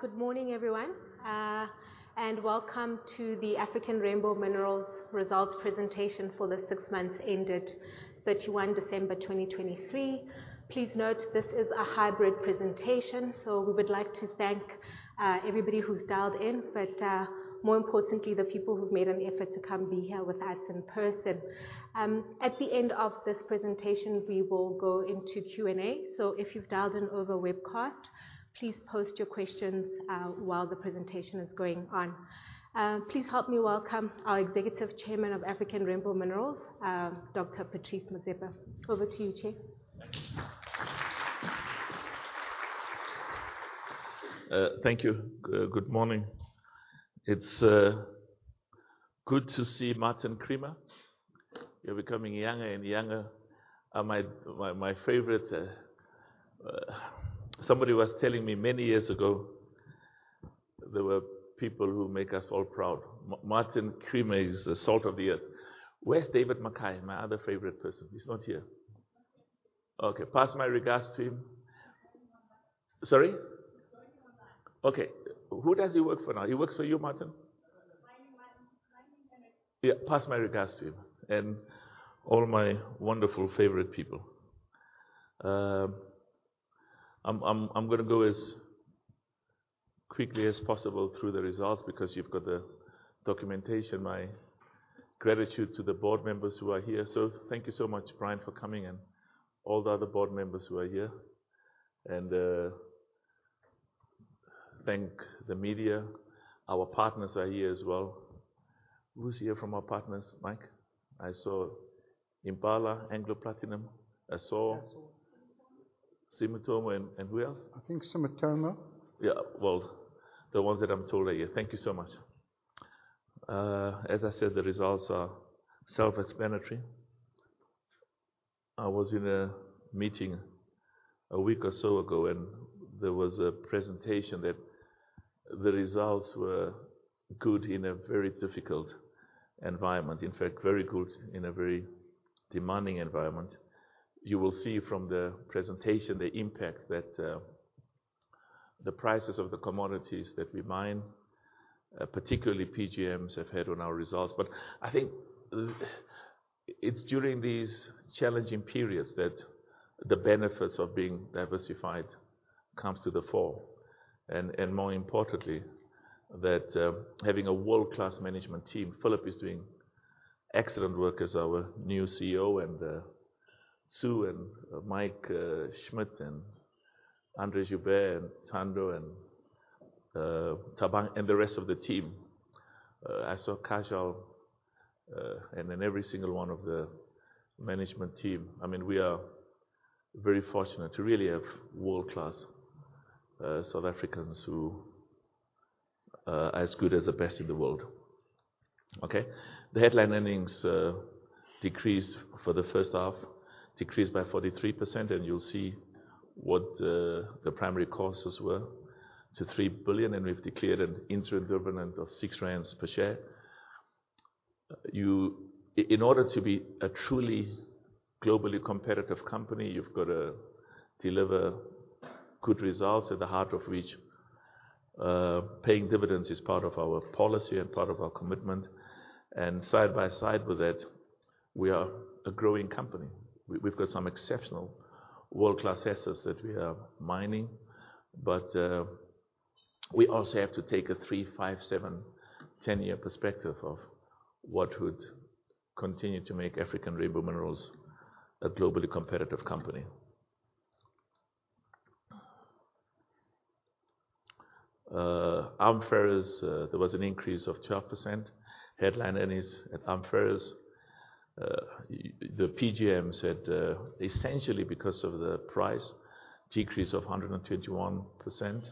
Good morning, everyone, and welcome to the African Rainbow Minerals results presentation for the six months ended 31 December 2023. Please note, this is a hybrid presentation, so we would like to thank everybody who's dialed in, but more importantly, the people who've made an effort to come be here with us in person. At the end of this presentation, we will go into Q&A, so if you've dialed in over webcast, please post your questions while the presentation is going on. Please help me welcome our Executive Chairman of African Rainbow Minerals, Dr. Patrice Motsepe. Over to you, Chair. Thank you. Thank you. Good morning. It's good to see Martin Creamer. You're becoming younger and younger. My favorite, somebody was telling me many years ago there were people who make us all proud. Martin Creamer is the salt of the earth. Where's David McKay, my other favorite person? He's not here. Okay. Pass my regards to him. Sorry? He's joining online. Okay. Who does he work for now? He works for you, Martin? Joining Martin. Joining him. Yeah. Pass my regards to him and all my wonderful favorite people. I'm gonna go as quickly as possible through the results because you've got the documentation. My gratitude to the board members who are here. So thank you so much, Brian, for coming, and all the other board members who are here. And thank the media. Our partners are here as well. Who's here from our partners? Mike? I saw Impala, Anglo Platinum, Assore. Asssore. Sumitomo. And, and who else? I think Sumitomo. Yeah. Well, the ones that I'm told are here. Thank you so much. As I said, the results are self-explanatory. I was in a meeting a week or so ago, and there was a presentation that the results were good in a very difficult environment. In fact, very good in a very demanding environment. You will see from the presentation the impact that the prices of the commodities that we mine, particularly PGMs, have had on our results. But I think that it's during these challenging periods that the benefits of being diversified come to the fore. And more importantly, that having a world-class management team. Phillip is doing excellent work as our new CEO, and Tsu and Mike Schmidt and Andre Joubert and Thando and Thabang and the rest of the team. I saw Kajal, and every single one of the management team. I mean, we are very fortunate to really have world-class South Africans who are as good as the best in the world. Okay? The headline earnings decreased for the first half by 43%, and you'll see what the primary costs were, to 3 billion, and we've declared an interim dividend of R6 per share. In order to be a truly globally competitive company, you've gotta deliver good results, at the heart of which, paying dividends is part of our policy and part of our commitment. And side by side with that, we are a growing company. We've got some exceptional world-class assets that we are mining, but we also have to take a 3-, 5-, 7-, 10-year perspective of what would continue to make African Rainbow Minerals a globally competitive company. ARM Ferrous, there was an increase of 12%. Headline earnings at ARM Ferrous, y/y the PGMs had, essentially because of the price, decrease of 121%.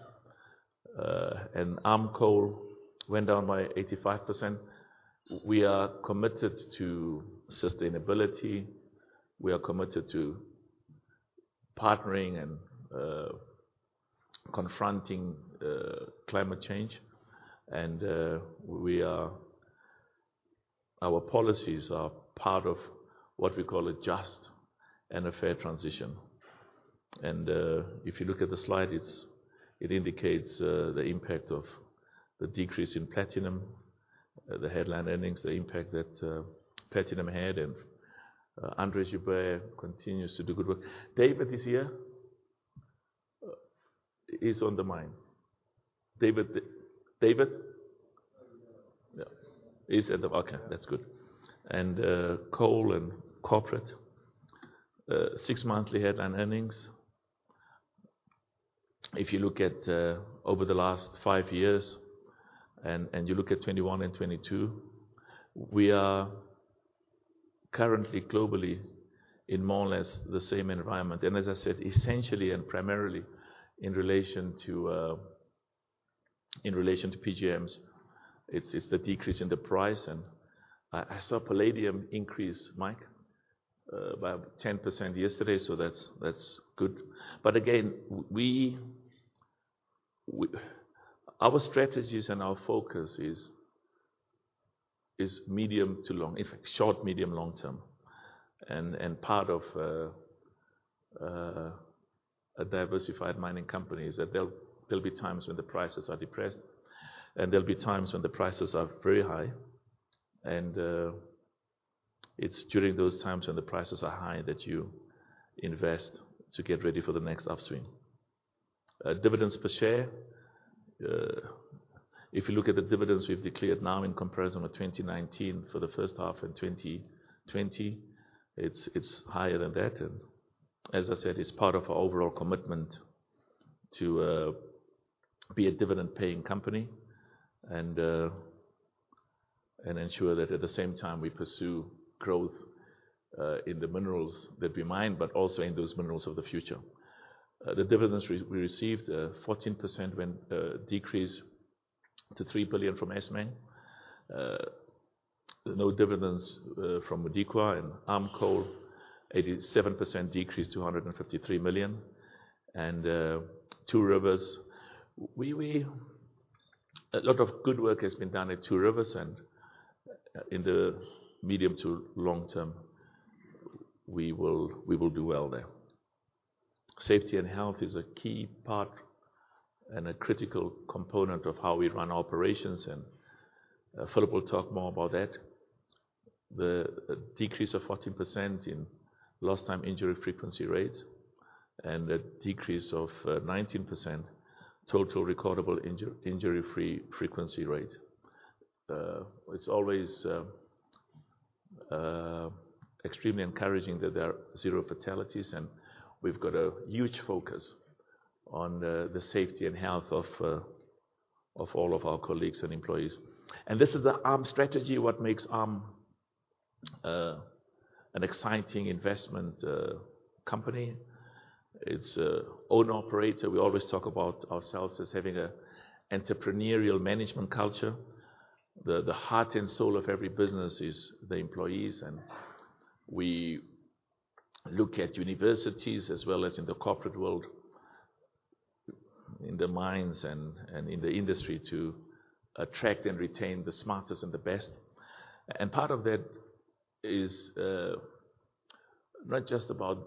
And ARM Coal went down by 85%. We are committed to sustainability. We are committed to partnering and confronting climate change. And we are; our policies are part of what we call a just and a fair transition. And if you look at the slide, it indicates the impact of the decrease in platinum, the headline earnings, the impact that platinum had. And Andre Joubert continues to do good work. David is here? Is on the mine? David the David? Oh, yeah. Yeah. It's okay. That's good. Coal and corporate six-monthly headline earnings. If you look at over the last five years, and you look at 2021 and 2022, we are currently globally in more or less the same environment. As I said, essentially and primarily in relation to PGMs, it's the decrease in the price. I saw palladium increase, Mike, by 10% yesterday, so that's good. But again, our strategies and our focus is medium to long; in fact, short, medium, long term. Part of a diversified mining company is that there'll be times when the prices are depressed, and there'll be times when the prices are very high. It's during those times when the prices are high that you invest to get ready for the next upswing. Dividends per share, if you look at the dividends we've declared now in comparison with 2019 for the first half and 2020, it's higher than that. And as I said, it's part of our overall commitment to be a dividend-paying company and ensure that at the same time we pursue growth in the minerals that we mine, but also in those minerals of the future. The dividends we received, 14% decrease to 3 billion from Assmang. No dividends from Modikwa and ARM Coal, 87% decrease to 153 million. And Two Rivers, a lot of good work has been done at Two Rivers, and in the medium to long term, we will do well there. Safety and health is a key part and a critical component of how we run operations, and Phillip will talk more about that. The decrease of 14% in lost-time injury frequency rate and a decrease of 19% total recordable injury frequency rate. It's always extremely encouraging that there are zero fatalities, and we've got a huge focus on the safety and health of all of our colleagues and employees. And this is the ARM strategy, what makes ARM an exciting investment company. It's owner-operated. We always talk about ourselves as having an entrepreneurial management culture. The heart and soul of every business is the employees. And we look at universities as well as in the corporate world, in the mines and in the industry to attract and retain the smartest and the best. Part of that is, not just about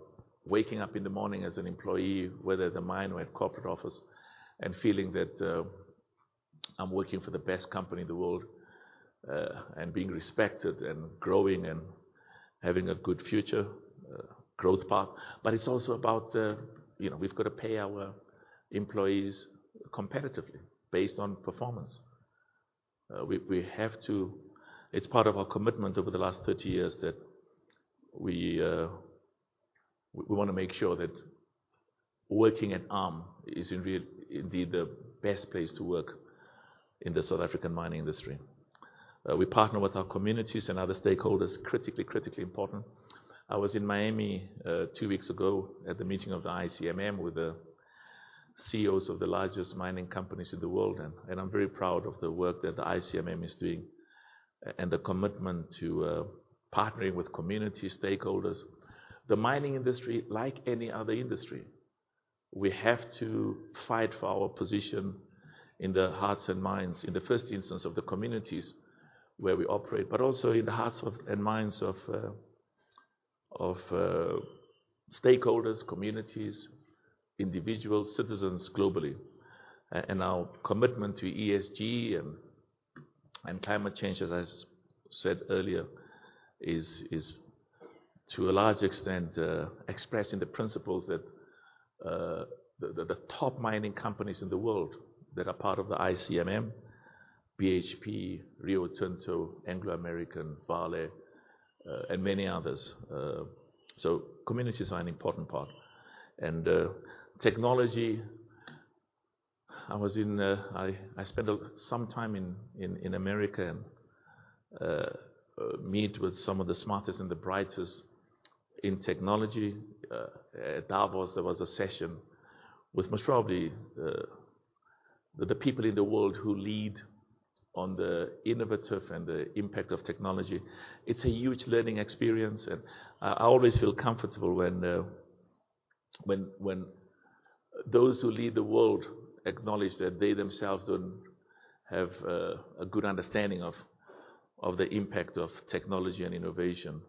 waking up in the morning as an employee, whether at the mine or at corporate office, and feeling that, I'm working for the best company in the world, and being respected and growing and having a good future, growth path. But it's also about, you know, we've gotta pay our employees competitively based on performance. We have to; it's part of our commitment over the last 30 years that we want to make sure that working at ARM is in real indeed the best place to work in the South African mining industry. We partner with our communities and other stakeholders, critically important. I was in Miami two weeks ago at the meeting of the ICMM with the CEOs of the largest mining companies in the world, and I'm very proud of the work that the ICMM is doing, and the commitment to partnering with communities, stakeholders. The mining industry, like any other industry, we have to fight for our position in the hearts and minds, in the first instance, of the communities where we operate, but also in the hearts and minds of stakeholders, communities, individuals, citizens globally. And our commitment to ESG and climate change, as I said earlier, is to a large extent expressing the principles that the top mining companies in the world that are part of the ICMM, BHP, Rio Tinto, Anglo American, Vale, and many others. So communities are an important part. Technology, I was in, I spent some time in America and met with some of the smartest and the brightest in technology. At Davos, there was a session with most probably the people in the world who lead on the innovative and the impact of technology. It's a huge learning experience, and I always feel comfortable when those who lead the world acknowledge that they themselves don't have a good understanding of the impact of technology and innovation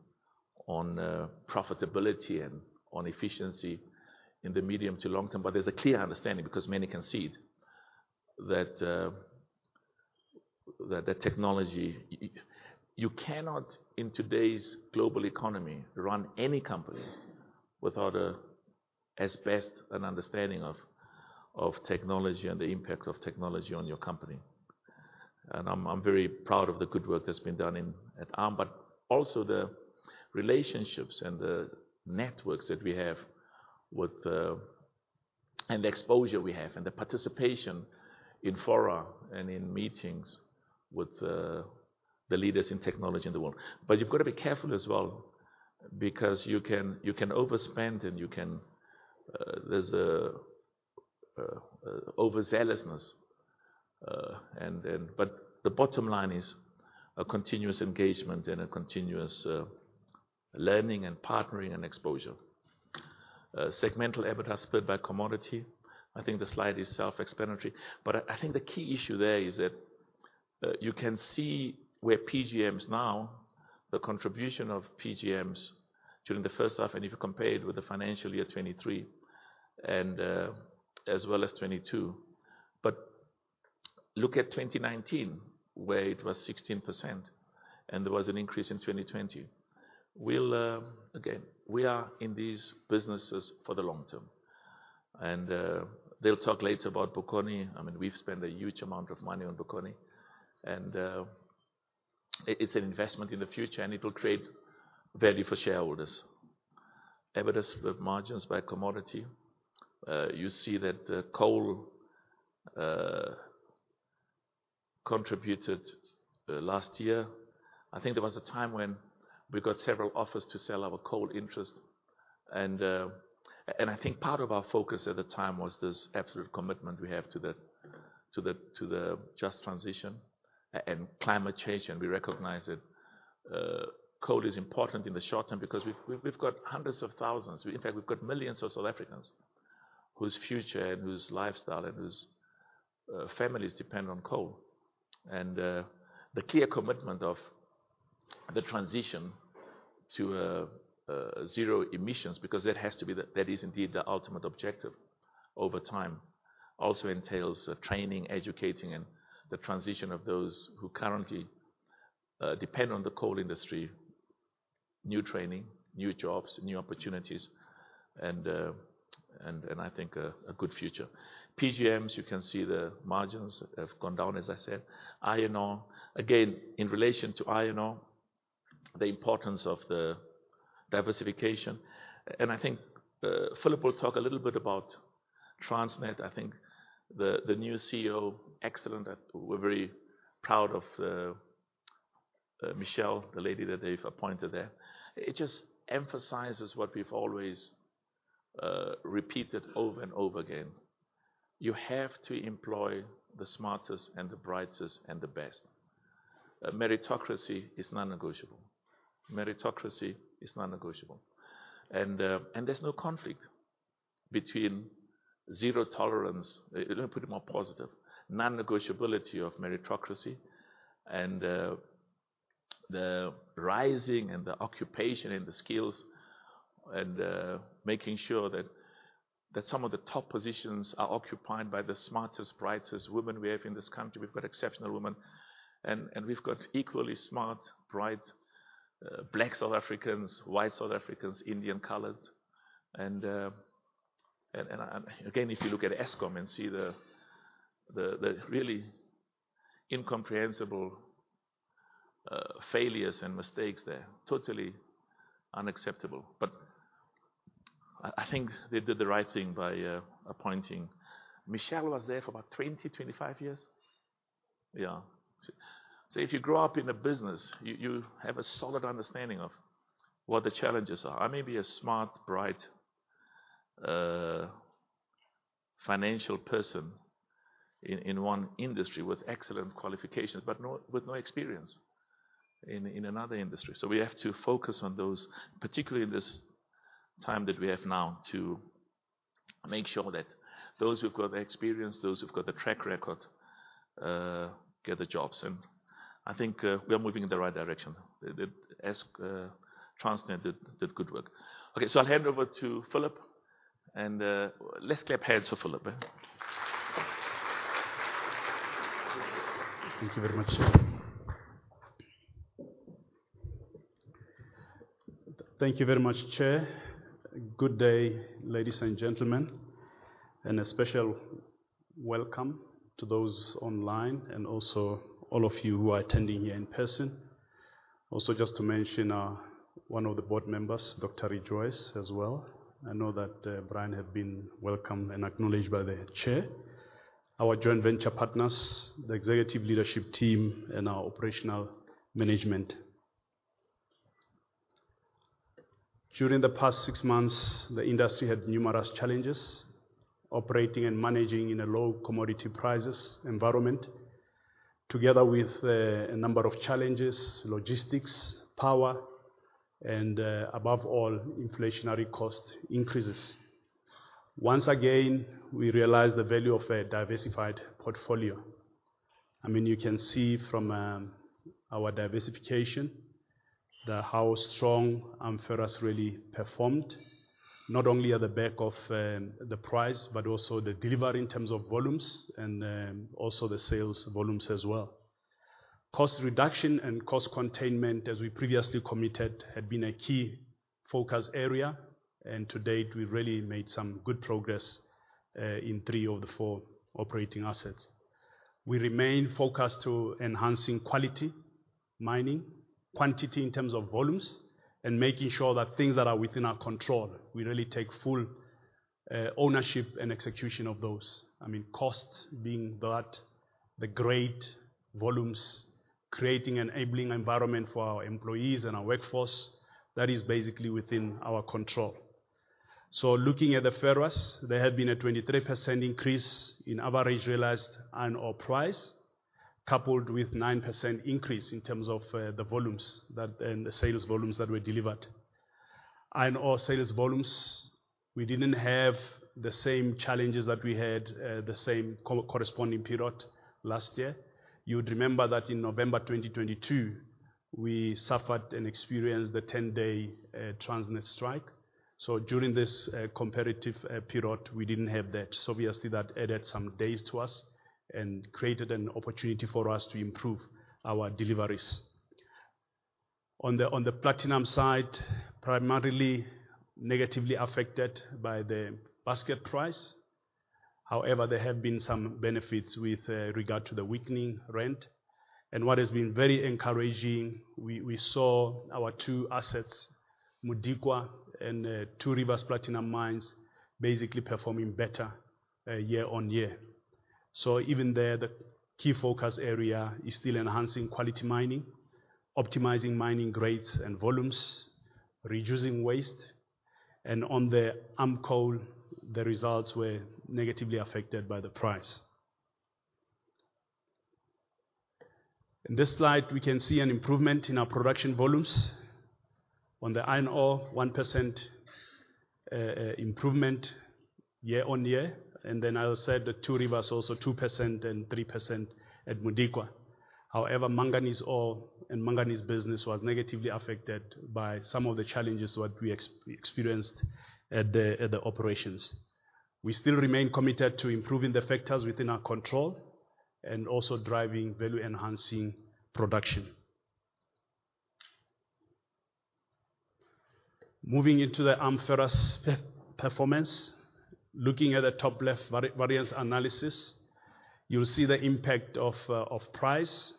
on profitability and on efficiency in the medium to long term. But there's a clear understanding because many can see it, that technology you cannot, in today's global economy, run any company without as best an understanding of technology and the impact of technology on your company. And I'm very proud of the good work that's been done in at ARM, but also the relationships and the networks that we have with, and the exposure we have and the participation in fora and in meetings with the leaders in technology in the world. But you've gotta be careful as well because you can overspend, and you can, there's a overzealousness, and but the bottom line is a continuous engagement and a continuous learning and partnering and exposure. Segmental effort has spurred by commodity. I think the slide is self-explanatory. But I think the key issue there is that you can see where PGMs now, the contribution of PGMs during the first half, and if you compare it with the financial year 2023 and, as well as 2022. But look at 2019, where it was 16%, and there was an increase in 2020. Well, again, we are in these businesses for the long term. They'll talk later about Bokoni. I mean, we've spent a huge amount of money on Bokoni, and it's an investment in the future, and it'll create value for shareholders. EBITDA split margins by commodity, you see that, coal contributed last year. I think there was a time when we got several offers to sell our coal interest. And I think part of our focus at the time was this absolute commitment we have to the just transition and climate change, and we recognize that coal is important in the short term because we've got hundreds of thousands, in fact, we've got millions of South Africans whose future and whose lifestyle and whose families depend on coal. The clear commitment of the transition to zero emissions because that has to be, that is indeed the ultimate objective over time also entails training, educating, and the transition of those who currently depend on the coal industry, new training, new jobs, new opportunities, and I think a good future. PGMs, you can see the margins have gone down, as I said. Iron, again, in relation to iron, the importance of the diversification. And I think, Phillip will talk a little bit about Transnet. I think the new CEO, excellent. I think we're very proud of Michelle, the lady that they've appointed there. It just emphasizes what we've always repeated over and over again. You have to employ the smartest and the brightest and the best. Meritocracy is non-negotiable. Meritocracy is non-negotiable. And there's no conflict between zero tolerance—let me put it more positively—non-negotiability of meritocracy and the rising and the occupation and the skills and making sure that some of the top positions are occupied by the smartest, brightest women we have in this country. We've got exceptional women, and we've got equally smart, bright Black South Africans, White South Africans, Indian-Coloured. And again, if you look at Eskom and see the really incomprehensible failures and mistakes there, totally unacceptable. But I think they did the right thing by appointing Michelle, who was there for about 20-25 years. Yeah. So if you grow up in a business, you have a solid understanding of what the challenges are. I may be a smart, bright, financial person in one industry with excellent qualifications, but with no experience in another industry. So we have to focus on those, particularly in this time that we have now, to make sure that those who've got the experience, those who've got the track record, get the jobs. And I think we are moving in the right direction. The Eskom Transnet did good work. Okay. So I'll hand over to Phillip, and let's clap hands for Phillip. Thank you very much, Che. Thank you very much, Che. Good day, ladies and gentlemen, and a special welcome to those online and also all of you who are attending here in person. Also, just to mention, one of the board members, Dr. Rejoice, as well. I know that, Brian have been welcomed and acknowledged by the Chair, our joint venture partners, the executive leadership team, and our operational management. During the past six months, the industry had numerous challenges operating and managing in a low commodity prices environment together with, a number of challenges, logistics, power, and, above all, inflationary cost increases. Once again, we realized the value of a diversified portfolio. I mean, you can see from, our diversification how strong ARM Ferrous's really performed, not only at the back of, the price but also the delivery in terms of volumes and, also the sales volumes as well. Cost reduction and cost containment, as we previously committed, had been a key focus area, and to date, we've really made some good progress in three of the four operating assets. We remain focused to enhancing quality mining, quantity in terms of volumes, and making sure that things that are within our control, we really take full ownership and execution of those. I mean, cost being that, the great volumes, creating and enabling environment for our employees and our workforce, that is basically within our control. So looking at the Ferrous, there had been a 23% increase in average realized iron price coupled with 9% increase in terms of, the volumes that and the sales volumes that were delivered. Iron sales volumes, we didn't have the same challenges that we had, the same corresponding period last year. You would remember that in November 2022, we suffered and experienced the 10-day Transnet strike. So during this comparative period, we didn't have that. So obviously, that added some days to us and created an opportunity for us to improve our deliveries. On the platinum side, primarily negatively affected by the basket price. However, there have been some benefits with regard to the weakening rand. And what has been very encouraging, we saw our two assets, Modikwa and Two Rivers Platinum Mine, basically performing better year-on-year. So even there, the key focus area is still enhancing quality mining, optimizing mining rates and volumes, reducing waste. And on the ARM Coal, the results were negatively affected by the price. In this slide, we can see an improvement in our production volumes. On the iron ore, 1% improvement year-on-year. And then I said the Two Rivers also 2% and 3% at Modikwa. However, manganese ore and manganese business was negatively affected by some of the challenges that we experienced at the operations. We still remain committed to improving the factors within our control and also driving value-enhancing production. Moving into the ARM Ferrous performance, looking at the top-left variance analysis, you'll see the impact of price,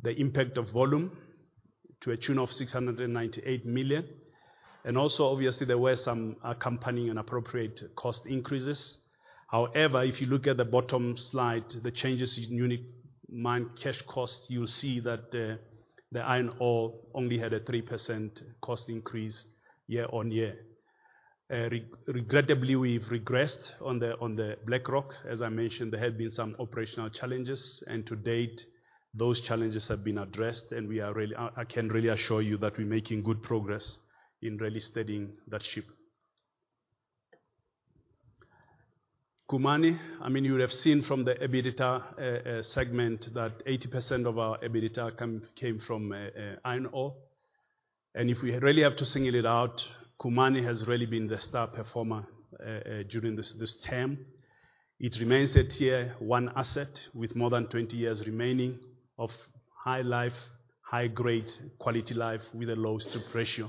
the impact of volume to a tune of 698 million. And also, obviously, there were some accompanying and appropriate cost increases. However, if you look at the bottom slide, the changes in unit mine cash cost, you'll see that the iron only had a 3% cost increase year-on-year. Regrettably, we've regressed on the Black Rock. As I mentioned, there had been some operational challenges, and to date, those challenges have been addressed, and we are really. I can really assure you that we're making good progress in really steadying that ship. Khumani, I mean, you would have seen from the EBITDA segment that 80% of our EBITDA came from iron ore. And if we really have to single it out, Khumani has really been the star performer during this term. It remains a Tier 1 asset with more than 20 years remaining of high life, high-grade quality life with a low strip ratio.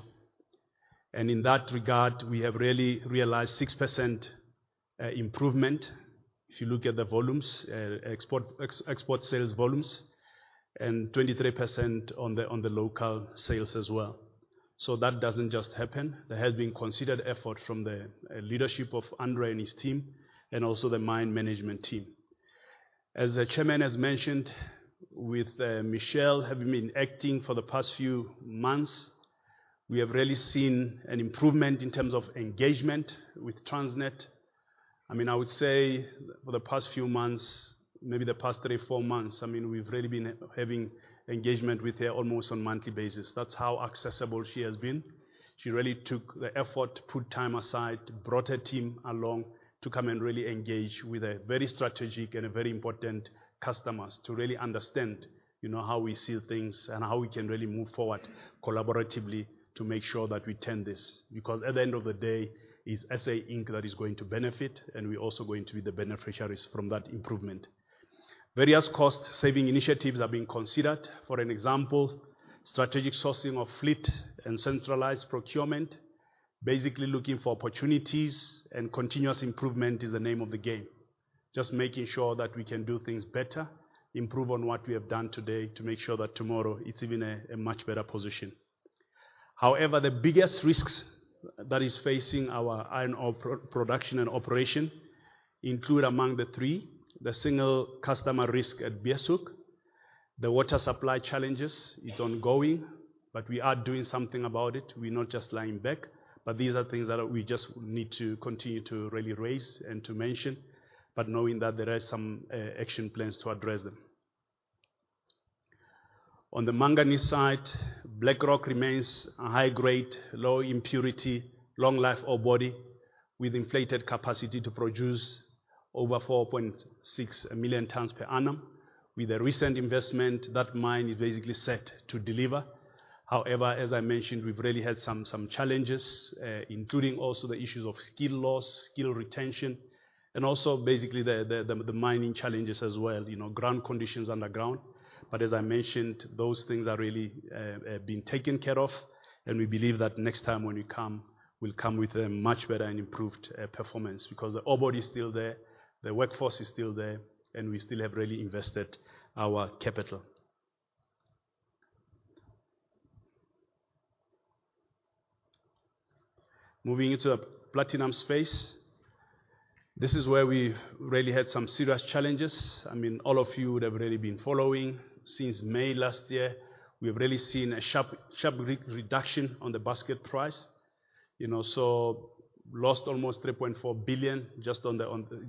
And in that regard, we have really realized 6% improvement if you look at the volumes, export sales volumes and 23% on the local sales as well. So that doesn't just happen. There has been considerable effort from the leadership of Andre and his team and also the mine management team. As the chairman has mentioned, with Michelle having been acting for the past few months, we have really seen an improvement in terms of engagement with Transnet. I mean, I would say for the past few months, maybe the past 3-4 months, I mean, we've really been having engagement with her almost on a monthly basis. That's how accessible she has been. She really took the effort, put time aside, brought her team along to come and really engage with very strategic and very important customers to really understand, you know, how we see things and how we can really move forward collaboratively to make sure that we turn this because at the end of the day, it's SA Inc. That is going to benefit, and we're also going to be the beneficiaries from that improvement. Various cost-saving initiatives have been considered. For example, strategic sourcing of fleet and centralized procurement, basically looking for opportunities, and continuous improvement is the name of the game, just making sure that we can do things better, improve on what we have done today to make sure that tomorrow, it's even a much better position. However, the biggest risks that is facing our iron ore production and operation include among the three the single customer risk at Beeshoek, the water supply challenges. It's ongoing, but we are doing something about it. We're not just lying back. But these are things that we just need to continue to really raise and to mention, but knowing that there are some action plans to address them. On the manganese side, Black Rock remains a high-grade, low-impurity, long-life ore body with inflated capacity to produce over 4.6 million tons per annum. With a recent investment, that mine is basically set to deliver. However, as I mentioned, we've really had some challenges, including also the issues of skill loss, skill retention, and also basically the mining challenges as well, you know, ground conditions underground. But as I mentioned, those things are really being taken care of. And we believe that next time when we come, we'll come with a much better and improved performance because the ore body's still there, the workforce is still there, and we still have really invested our capital. Moving into the platinum space, this is where we've really had some serious challenges. I mean, all of you would have really been following. Since May last year, we've really seen a sharp re-reduction on the basket price, you know, so lost almost 3.4 billion just on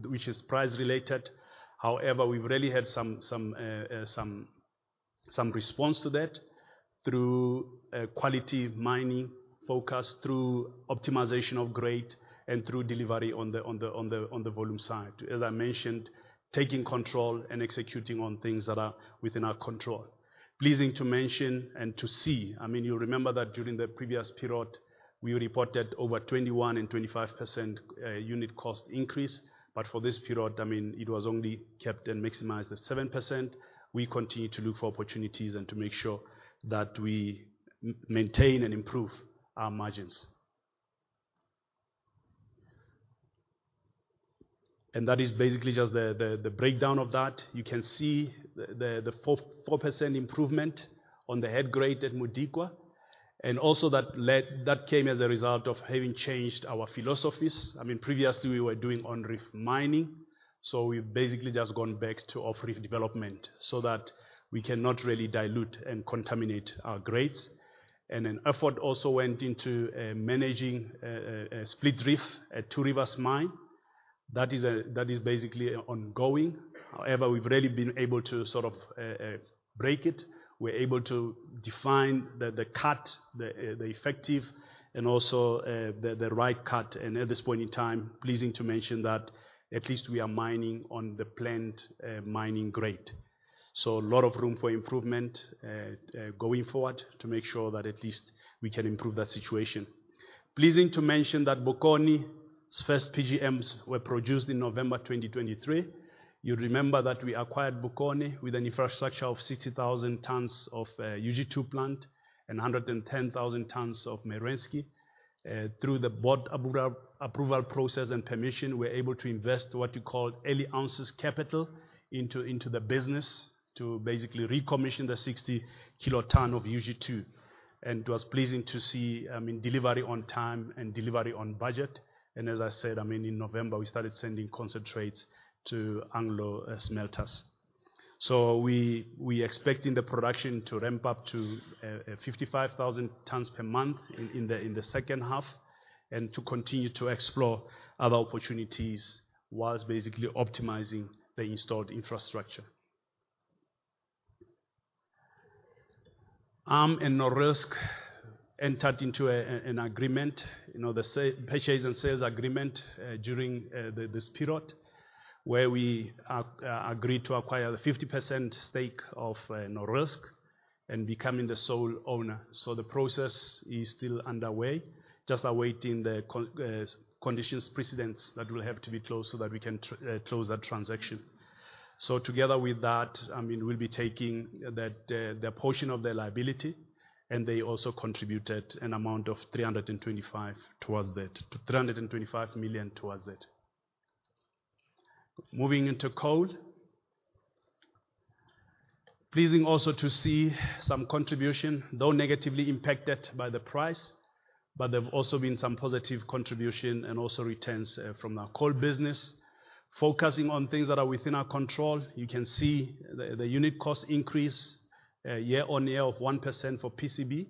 which is price-related. However, we've really had some response to that through quality mining focus, through optimization of grade, and through delivery on the volume side, as I mentioned, taking control and executing on things that are within our control. Pleasing to mention and to see, I mean, you'll remember that during the previous period, we reported over 21% and 25% unit cost increase. But for this period, I mean, it was only kept and maximized at 7%. We continue to look for opportunities and to make sure that we maintain and improve our margins. That is basically just the breakdown of that. You can see the 4% improvement on the head grade at Modikwa. And also that came as a result of having changed our philosophies. I mean, previously, we were doing on-reef mining. So we've basically just gone back to off-reef development so that we cannot really dilute and contaminate our grades. And an effort also went into managing a split reef at Two Rivers Mine. That is basically ongoing. However, we've really been able to sort of break it. We're able to define the cut, the effective, and also the right cut. And at this point in time, pleasing to mention that at least we are mining on the planned mining grade. So a lot of room for improvement, going forward to make sure that at least we can improve that situation. Pleased to mention that Bokoni's first PGMs were produced in November 2023. You'd remember that we acquired Bokoni with an infrastructure of 60,000 tons of UG2 plant and 110,000 tons of Merensky. Through the board approval process and permission, we were able to invest what you call early ounces capital into the business to basically recommission the 60-kiloton of UG2. And it was pleasing to see, I mean, delivery on time and delivery on budget. And as I said, I mean, in November, we started sending concentrates to Anglo Smelters. So we expecting the production to ramp up to 55,000 tons per month in the second half and to continue to explore other opportunities whilst basically optimizing the installed infrastructure. ARM and Nornickel entered into an agreement, you know, the share purchase and sale agreement, during this period where we agreed to acquire the 50% stake of Nornickel and becoming the sole owner. So the process is still underway, just awaiting the conditions precedent that will have to be closed so that we can close that transaction. So together with that, I mean, we'll be taking that, their portion of their liability. And they also contributed an amount of 325 million towards that. Moving into coal, pleasing also to see some contribution, though negatively impacted by the price. But there've also been some positive contribution and also returns, from our coal business focusing on things that are within our control. You can see the unit cost increase, year-on-year of 1% for our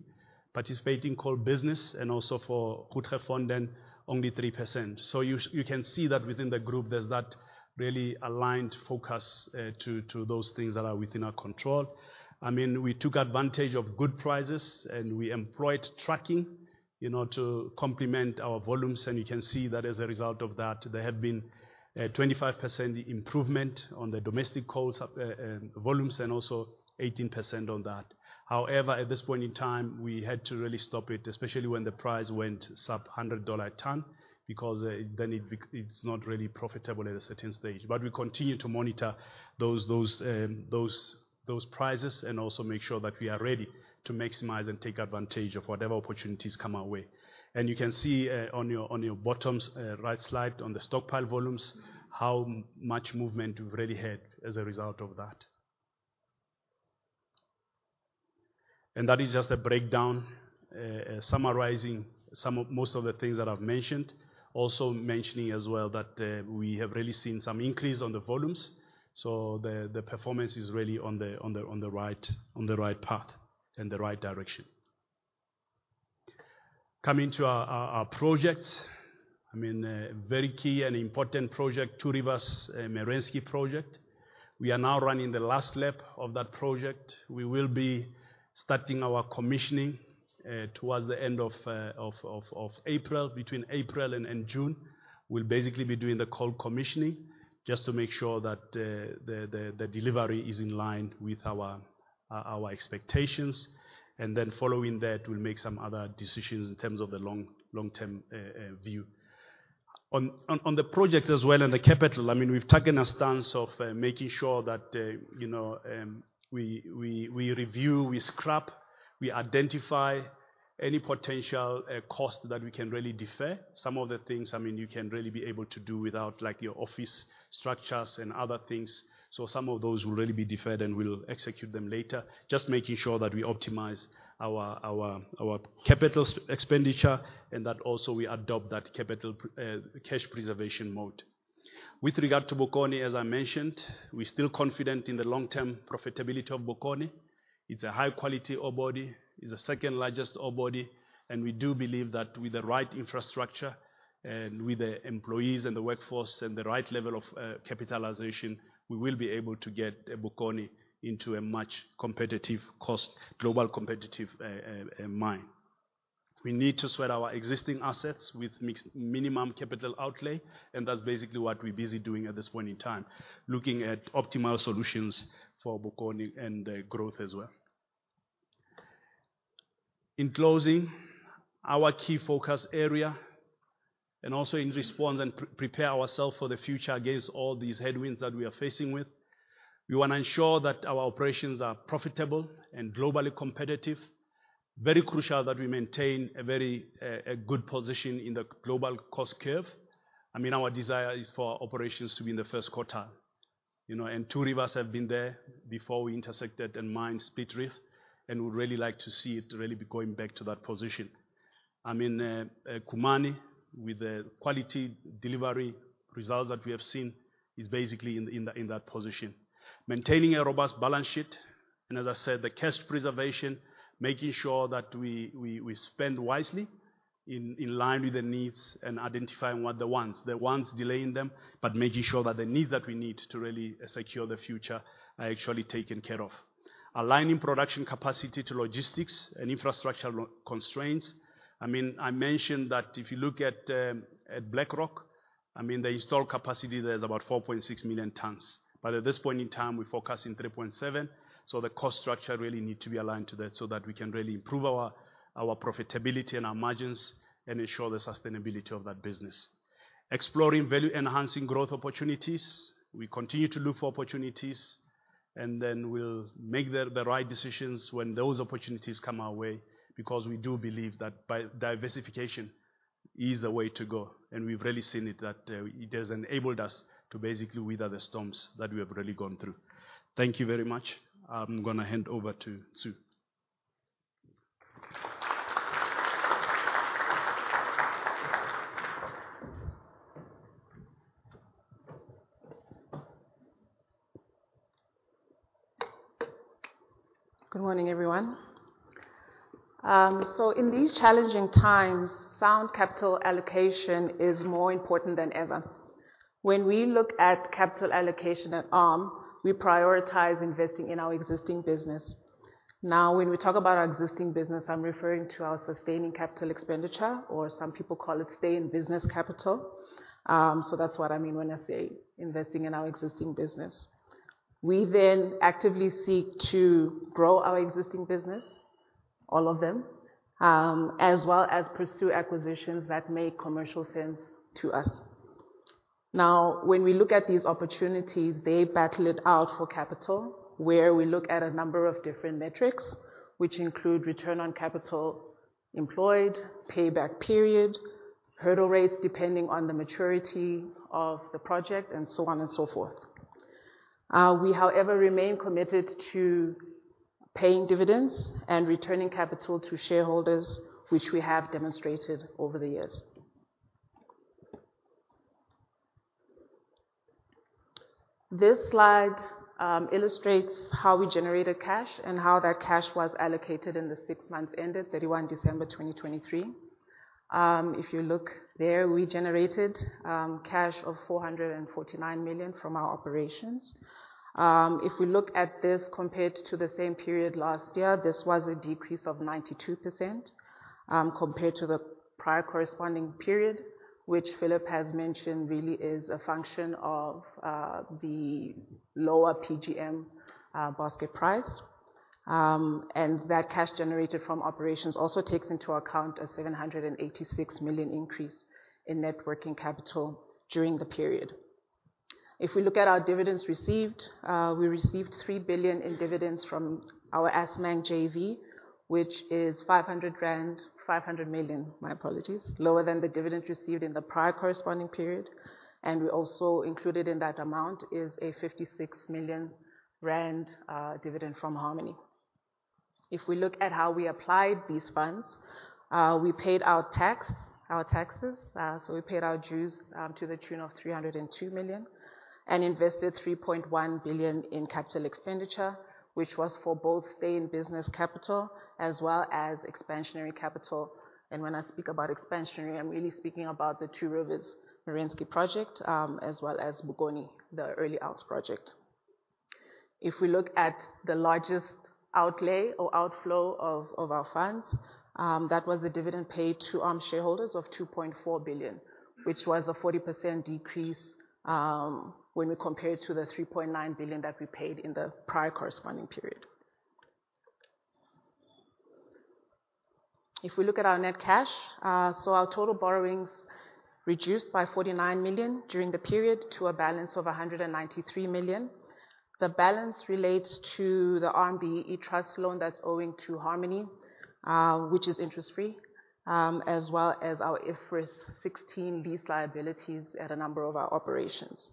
participating coal business and also for our Ferrous, then only 3%. So you can see that within the group, there's that really aligned focus to those things that are within our control. I mean, we took advantage of good prices, and we employed tracking, you know, to complement our volumes. And you can see that as a result of that, there have been 25% improvement on the domestic coals, volumes and also 18% on that. However, at this point in time, we had to really stop it, especially when the price went sub $100 a ton because then it's not really profitable at a certain stage. But we continue to monitor those prices and also make sure that we are ready to maximize and take advantage of whatever opportunities come our way. And you can see, on your bottom right slide, on the stockpile volumes, how much movement we've really had as a result of that. And that is just a breakdown, summarizing some of the most of the things that I've mentioned, also mentioning as well that we have really seen some increase on the volumes. So the performance is really on the right path and the right direction. Coming to our projects, I mean, a very key and important project, Two Rivers Merensky project. We are now running the last lap of that project. We will be starting our commissioning towards the end of April. Between April and June, we'll basically be doing the coal commissioning just to make sure that the delivery is in line with our expectations. And then following that, we'll make some other decisions in terms of the long-term view. On the project as well and the capital, I mean, we've taken a stance of making sure that, you know, we review, we scrap, we identify any potential cost that we can really defer. Some of the things, I mean, you can really be able to do without, like, your office structures and other things. So some of those will really be deferred, and we'll execute them later, just making sure that we optimize our capital expenditure and that also we adopt that capital cash preservation mode. With regard to Bokoni, as I mentioned, we're still confident in the long-term profitability of Bokoni. It's a high-quality ore body. It's the second largest ore body. And we do believe that with the right infrastructure and with the employees and the workforce and the right level of capitalization, we will be able to get Bokoni into a much competitive cost, global competitive, mine. We need to sweat our existing assets with minimal capital outlay. And that's basically what we're busy doing at this point in time, looking at optimal solutions for Bokoni and growth as well. In closing, our key focus area and also in response and prepare ourselves for the future against all these headwinds that we are facing with, we want to ensure that our operations are profitable and globally competitive, very crucial that we maintain a very good position in the global cost curve. I mean, our desire is for our operations to be in the first quartile, you know. Two Rivers have been there before we intersected and mined Split Reef. And we'd really like to see it really be going back to that position. I mean, Khumani, with the quality delivery results that we have seen, is basically in that position, maintaining a robust balance sheet. And as I said, the cash preservation, making sure that we spend wisely in line with the needs and identifying what the ones, the ones delaying them, but making sure that the needs that we need to really secure the future are actually taken care of, aligning production capacity to logistics and infrastructural constraints. I mean, I mentioned that if you look at Black Rock, I mean, the installed capacity, there's about 4.6 million tons. But at this point in time, we're focusing 3.7. So the cost structure really needs to be aligned to that so that we can really improve our our profitability and our margins and ensure the sustainability of that business, exploring value-enhancing growth opportunities. We continue to look for opportunities. And then we'll make the the right decisions when those opportunities come our way because we do believe that by diversification is the way to go. And we've really seen it that, it has enabled us to basically weather the storms that we have really gone through. Thank you very much. I'm going to hand over to Tsu. Good morning, everyone. In these challenging times, sound capital allocation is more important than ever. When we look at capital allocation at ARM, we prioritize investing in our existing business. Now, when we talk about our existing business, I'm referring to our sustaining capital expenditure, or some people call it stay-in-business capital. That's what I mean when I say investing in our existing business. We then actively seek to grow our existing business, all of them, as well as pursue acquisitions that make commercial sense to us. Now, when we look at these opportunities, they battle it out for capital where we look at a number of different metrics, which include return on capital employed, payback period, hurdle rates depending on the maturity of the project, and so on and so forth. We, however, remain committed to paying dividends and returning capital to shareholders, which we have demonstrated over the years. This slide illustrates how we generated cash and how that cash was allocated in the six months ended 31 December 2023. If you look there, we generated cash of 449 million from our operations. If we look at this compared to the same period last year, this was a decrease of 92%, compared to the prior corresponding period, which Phillip has mentioned really is a function of the lower PGM basket price. And that cash generated from operations also takes into account a 786 million increase in working capital during the period. If we look at our dividends received, we received 3 billion in dividends from our Assmang JV, which is 500 grand, 500 million, my apologies, lower than the dividend received in the prior corresponding period. We also included in that amount is a 56 million rand dividend from Harmony. If we look at how we applied these funds, we paid our tax, our taxes. So we paid our dues, to the tune of 302 million and invested 3.1 billion in capital expenditure, which was for both stay-in-business capital as well as expansionary capital. When I speak about expansionary, I'm really speaking about the Two Rivers Merensky project, as well as Bokoni, the early works project. If we look at the largest outlay or outflow of, of our funds, that was the dividend paid to ARM shareholders of 2.4 billion, which was a 40% decrease, when we compare it to the 3.9 billion that we paid in the prior corresponding period. If we look at our net cash, so our total borrowings reduced by 49 million during the period to a balance of 193 million. The balance relates to the ARM BEE Trust loan that's owing to Harmony, which is interest-free, as well as our IFRS 16 lease liabilities at a number of our operations.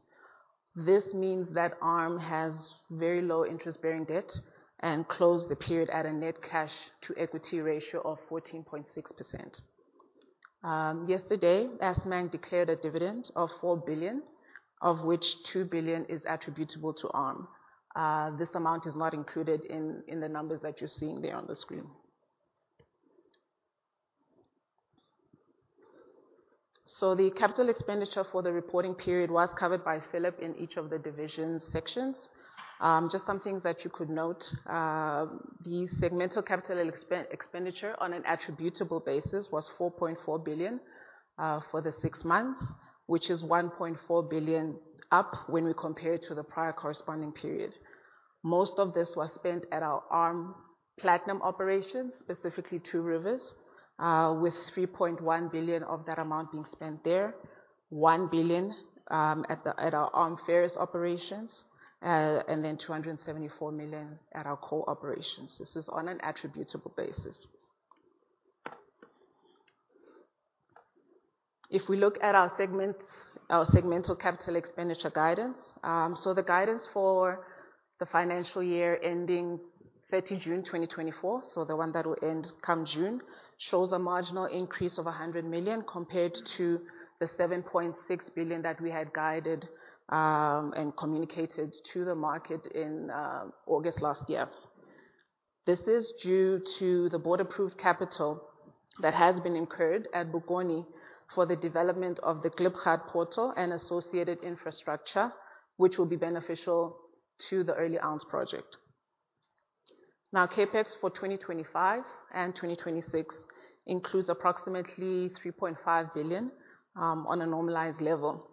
This means that ARM has very low interest-bearing debt and closed the period at a net cash-to-equity ratio of 14.6%. Yesterday, Assmang declared a dividend of 4 billion, of which 2 billion is attributable to ARM. This amount is not included in the numbers that you're seeing there on the screen. So the capital expenditure for the reporting period was covered by Phillip in each of the division sections. Just some things that you could note, the segmental capital expenditure on an attributable basis was 4.4 billion for the six months, which is 1.4 billion up when we compare it to the prior corresponding period. Most of this was spent at our ARM Platinum operations, specifically Two Rivers, with 3.1 billion of that amount being spent there, 1 billion at our ARM Ferrous operations, and then 274 million at our coal operations. This is on an attributable basis. If we look at our segments, our segmental capital expenditure guidance, so the guidance for the financial year ending 30 June 2024, so the one that will end come June, shows a marginal increase of 100 million compared to the 7.6 billion that we had guided, and communicated to the market in August last year. This is due to the board-approved capital that has been incurred at Bokoni for the development of the Klipgat portal and associated infrastructure, which will be beneficial to the Elands project. Now, CapEx for 2025 and 2026 includes approximately 3.5 billion, on a normalized level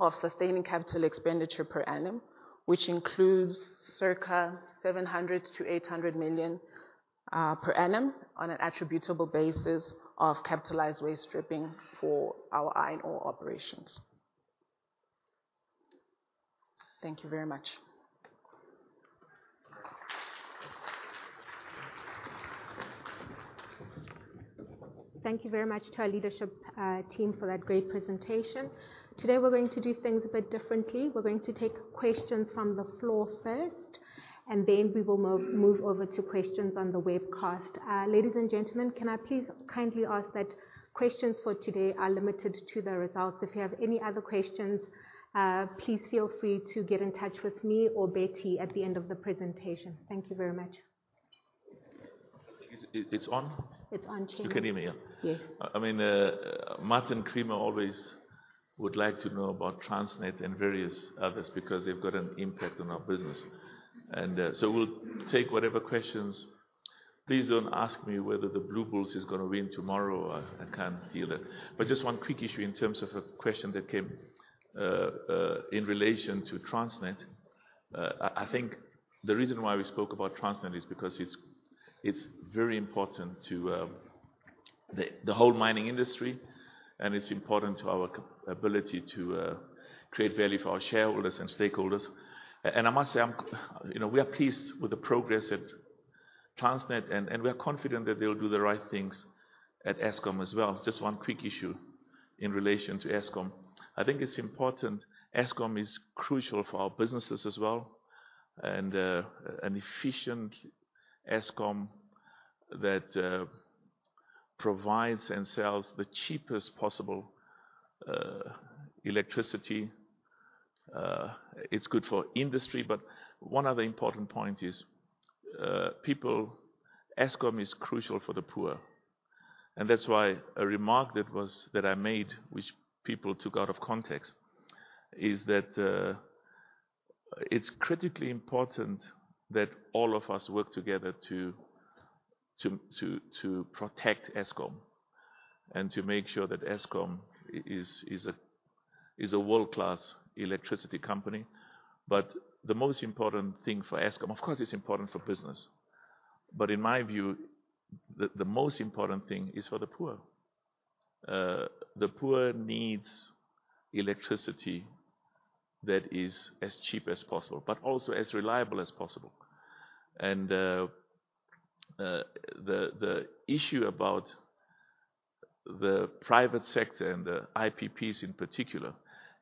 of sustaining capital expenditure per annum, which includes circa 700 million-800 million, per annum on an attributable basis of capitalized waste stripping for our iron ore operations. Thank you very much. Thank you very much to our leadership, team for that great presentation. Today, we're going to do things a bit differently. We're going to take questions from the floor first, and then we will move over to questions on the webcast. Ladies and gentlemen, can I please kindly ask that questions for today are limited to the results? If you have any other questions, please feel free to get in touch with me or Betty at the end of the presentation. Thank you very much. I think it's on? It's on, Jennifer. You can hear me, yeah? Yes. I mean, Martin Creamer always would like to know about Transnet and various others because they've got an impact on our business. So we'll take whatever questions. Please don't ask me whether the Blue Bulls is going to win tomorrow. I, I can't deal with that. But just one quick issue in terms of a question that came, in relation to Transnet. I, I think the reason why we spoke about Transnet is because it's, it's very important to, the, the whole mining industry, and it's important to our capability to, create value for our shareholders and stakeholders. And I must say I'm, you know, we are pleased with the progress at Transnet, and, and we are confident that they'll do the right things at Eskom as well. Just one quick issue in relation to Eskom. I think it's important. Eskom is crucial for our businesses as well and an efficient Eskom that provides and sells the cheapest possible electricity. It's good for industry. But one other important point is, people, Eskom is crucial for the poor. And that's why a remark that I made, which people took out of context, is that it's critically important that all of us work together to protect Eskom and to make sure that Eskom is a world-class electricity company. But the most important thing for Eskom, of course, it's important for business. But in my view, the most important thing is for the poor. The poor needs electricity that is as cheap as possible but also as reliable as possible. The issue about the private sector and the IPPs in particular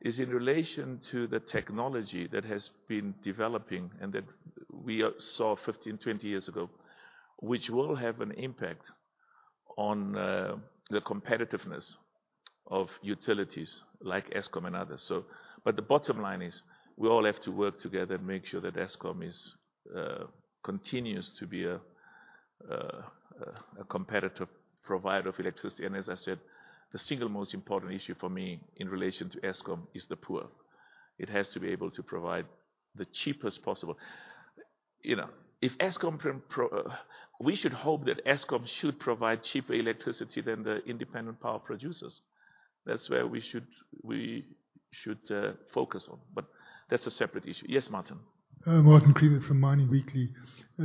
is in relation to the technology that has been developing and that we saw 15, 20 years ago, which will have an impact on the competitiveness of utilities like Eskom and others. So but the bottom line is, we all have to work together and make sure that Eskom continues to be a competitive provider of electricity. And as I said, the single most important issue for me in relation to Eskom is the poor. It has to be able to provide the cheapest possible. You know, if Eskom we should hope that Eskom should provide cheaper electricity than the independent power producers. That's where we should focus on. But that's a separate issue. Yes, Martin. Martin Creamer from Mining Weekly.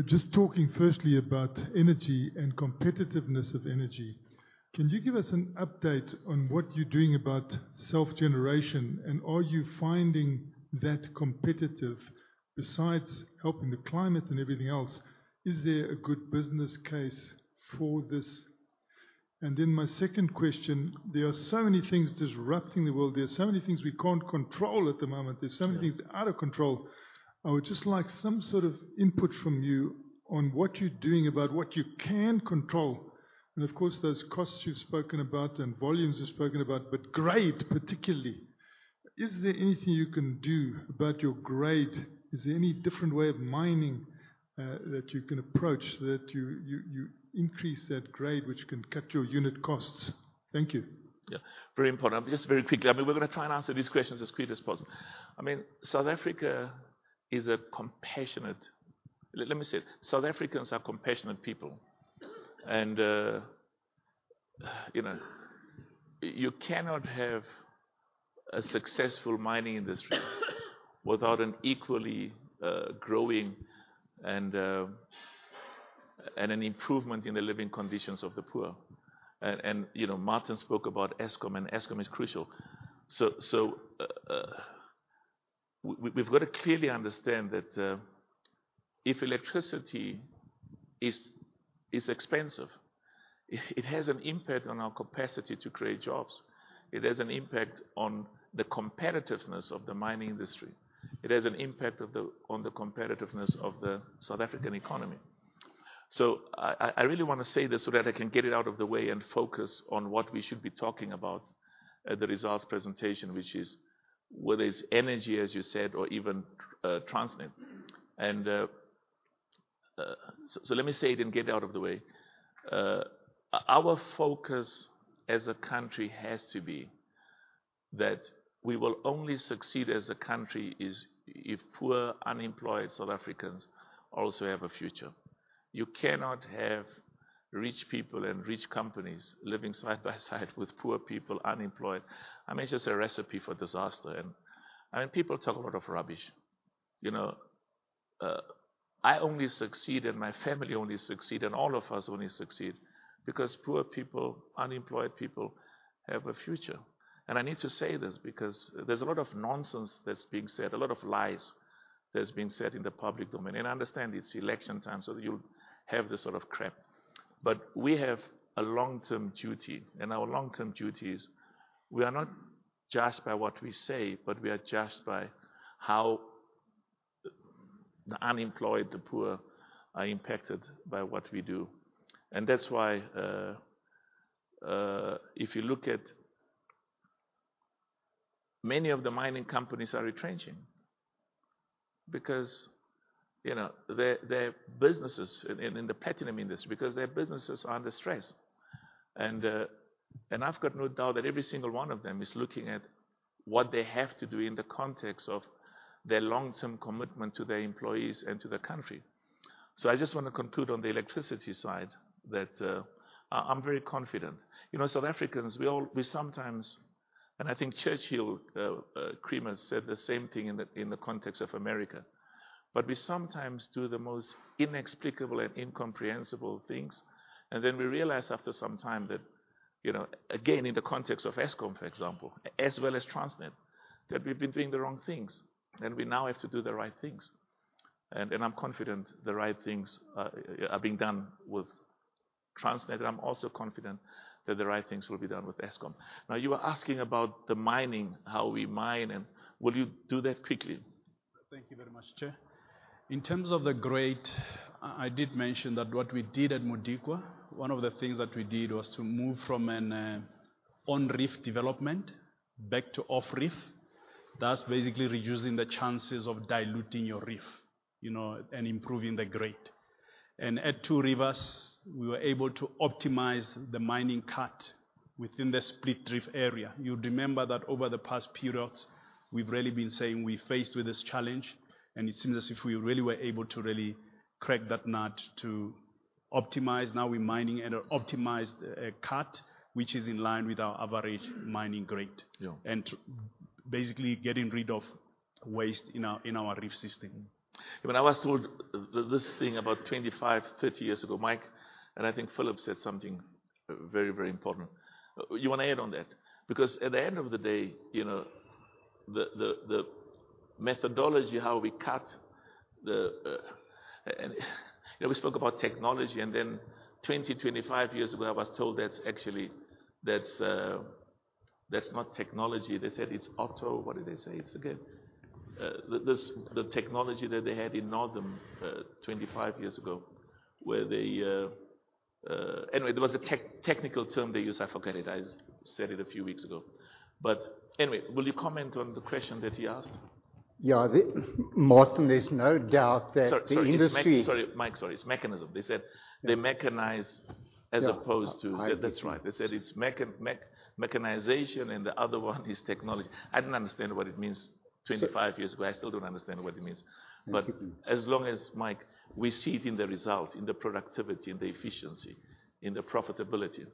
Just talking firstly about energy and competitiveness of energy, can you give us an update on what you're doing about self-generation, and are you finding that competitive besides helping the climate and everything else? Is there a good business case for this? And then my second question, there are so many things disrupting the world. There are so many things we can't control at the moment. There's so many things out of control. I would just like some sort of input from you on what you're doing about what you can control. And of course, those costs you've spoken about and volumes you've spoken about, but grade particularly, is there anything you can do about your grade? Is there any different way of mining that you increase that grade, which can cut your unit costs? Thank you. Yeah, very important. I'm just very quickly. I mean, we're going to try and answer these questions as quickly as possible. I mean, South Africa is a compassionate land, let me say it. South Africans are compassionate people. And, you know, you cannot have a successful mining industry without an equally growing and an improvement in the living conditions of the poor. And, you know, Martin spoke about Eskom, and Eskom is crucial. So, we've got to clearly understand that, if electricity is expensive, it has an impact on our capacity to create jobs. It has an impact on the competitiveness of the mining industry. It has an impact on the competitiveness of the South African economy. So I really want to say this so that I can get it out of the way and focus on what we should be talking about at the results presentation, which is whether it's energy, as you said, or even Transnet. So let me say it and get it out of the way. Our focus as a country has to be that we will only succeed as a country if poor, unemployed South Africans also have a future. You cannot have rich people and rich companies living side by side with poor people, unemployed. I mean, it's just a recipe for disaster. And I mean, people talk a lot of rubbish. You know, I only succeed, and my family only succeed, and all of us only succeed because poor people, unemployed people have a future. I need to say this because there's a lot of nonsense that's being said, a lot of lies that's being said in the public domain. I understand it's election time, so you'll have this sort of crap. But we have a long-term duty. Our long-term duty is we are not judged by what we say, but we are judged by how the unemployed, the poor, are impacted by what we do. That's why, if you look at many of the mining companies, they're retrenching because, you know, their businesses in the platinum industry, because their businesses are under stress. I've got no doubt that every single one of them is looking at what they have to do in the context of their long-term commitment to their employees and to the country. So I just want to conclude on the electricity side that I'm very confident. You know, South Africans, we all we sometimes and I think Churchill, Creamer said the same thing in the context of America. But we sometimes do the most inexplicable and incomprehensible things. And then we realize after some time that, you know, again, in the context of Eskom, for example, as well as Transnet, that we've been doing the wrong things, and we now have to do the right things. And I'm confident the right things are being done with Transnet. And I'm also confident that the right things will be done with Eskom. Now, you were asking about the mining, how we mine, and will you do that quickly? Thank you very much, Cher. In terms of the grade, I, I did mention that what we did at Modikwa, one of the things that we did was to move from an on-reef development back to off-reef. That's basically reducing the chances of diluting your reef, you know, and improving the grade. And at Two Rivers, we were able to optimize the mining cut within the Split Reef area. You remember that over the past periods, we've really been saying we faced with this challenge, and it seems as if we really were able to really crack that nut to optimize. Now, we're mining at an optimized cut, which is in line with our average mining grade. Yeah. Basically getting rid of waste in our reef system. Yeah, when I was told this thing about 25, 30 years ago, Mike, and I think Phillip said something very, very important. You want to add on that? Because at the end of the day, you know, the methodology, how we cut the, and, you know, we spoke about technology, and then 20, 25 years ago, I was told that's actually not technology. They said it's auto what did they say? It's again, the technology that they had in Northern, 25 years ago where they, anyway, there was a technical term they used. I forget it. I said it a few weeks ago. But anyway, will you comment on the question that he asked? Yeah, Martin, there's no doubt that the industry. Sorry, Mike. It's mechanism. They said they mechanize as opposed to. Oh, I see. That's right. They said it's mechanization, and the other one is technology. I didn't understand what it means 25 years ago. I still don't understand what it means. But as long as, Mike, we see it in the results, in the productivity, in the efficiency, in the profitability.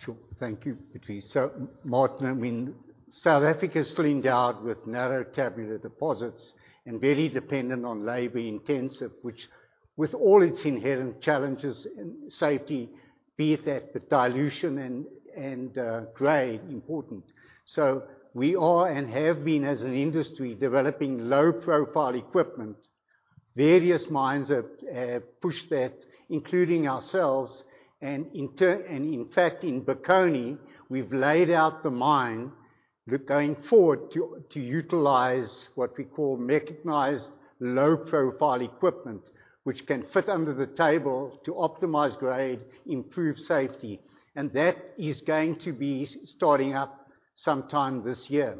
Sure. Thank you, Petri. So Martin, I mean, South Africa is blessed with narrow tabular deposits and very dependent on labor-intensive, which with all its inherent challenges in safety, be it that, but dilution and, and, grade, important. So we are and have been as an industry developing low-profile equipment. Various mines have, have pushed that, including ourselves. And in turn and in fact, in Bokoni, we've laid out the mine layout going forward to, to utilize what we call mechanized low-profile equipment, which can fit under the hangingwall to optimize grade, improve safety. And that is going to be starting up sometime this year.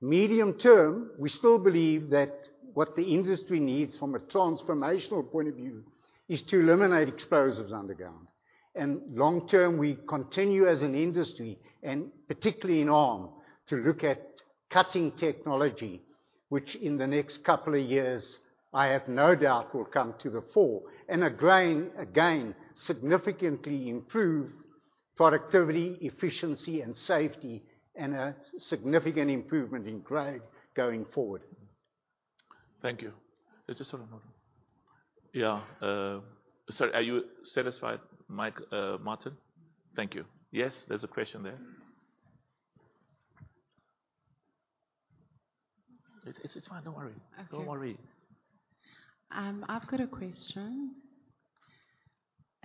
Medium term, we still believe that what the industry needs from a transformational point of view is to eliminate explosives underground. Long term, we continue as an industry and particularly in ARM to look at cutting technology, which in the next couple of years, I have no doubt, will come to the fore and again, significantly improve productivity, efficiency, and safety, and a significant improvement in grade going forward. Thank you. Is this sort of not yeah, sorry, are you satisfied, Mike, Martin? Thank you. Yes, there's a question there. It's fine. Don't worry. Don't worry. Okay. I've got a question.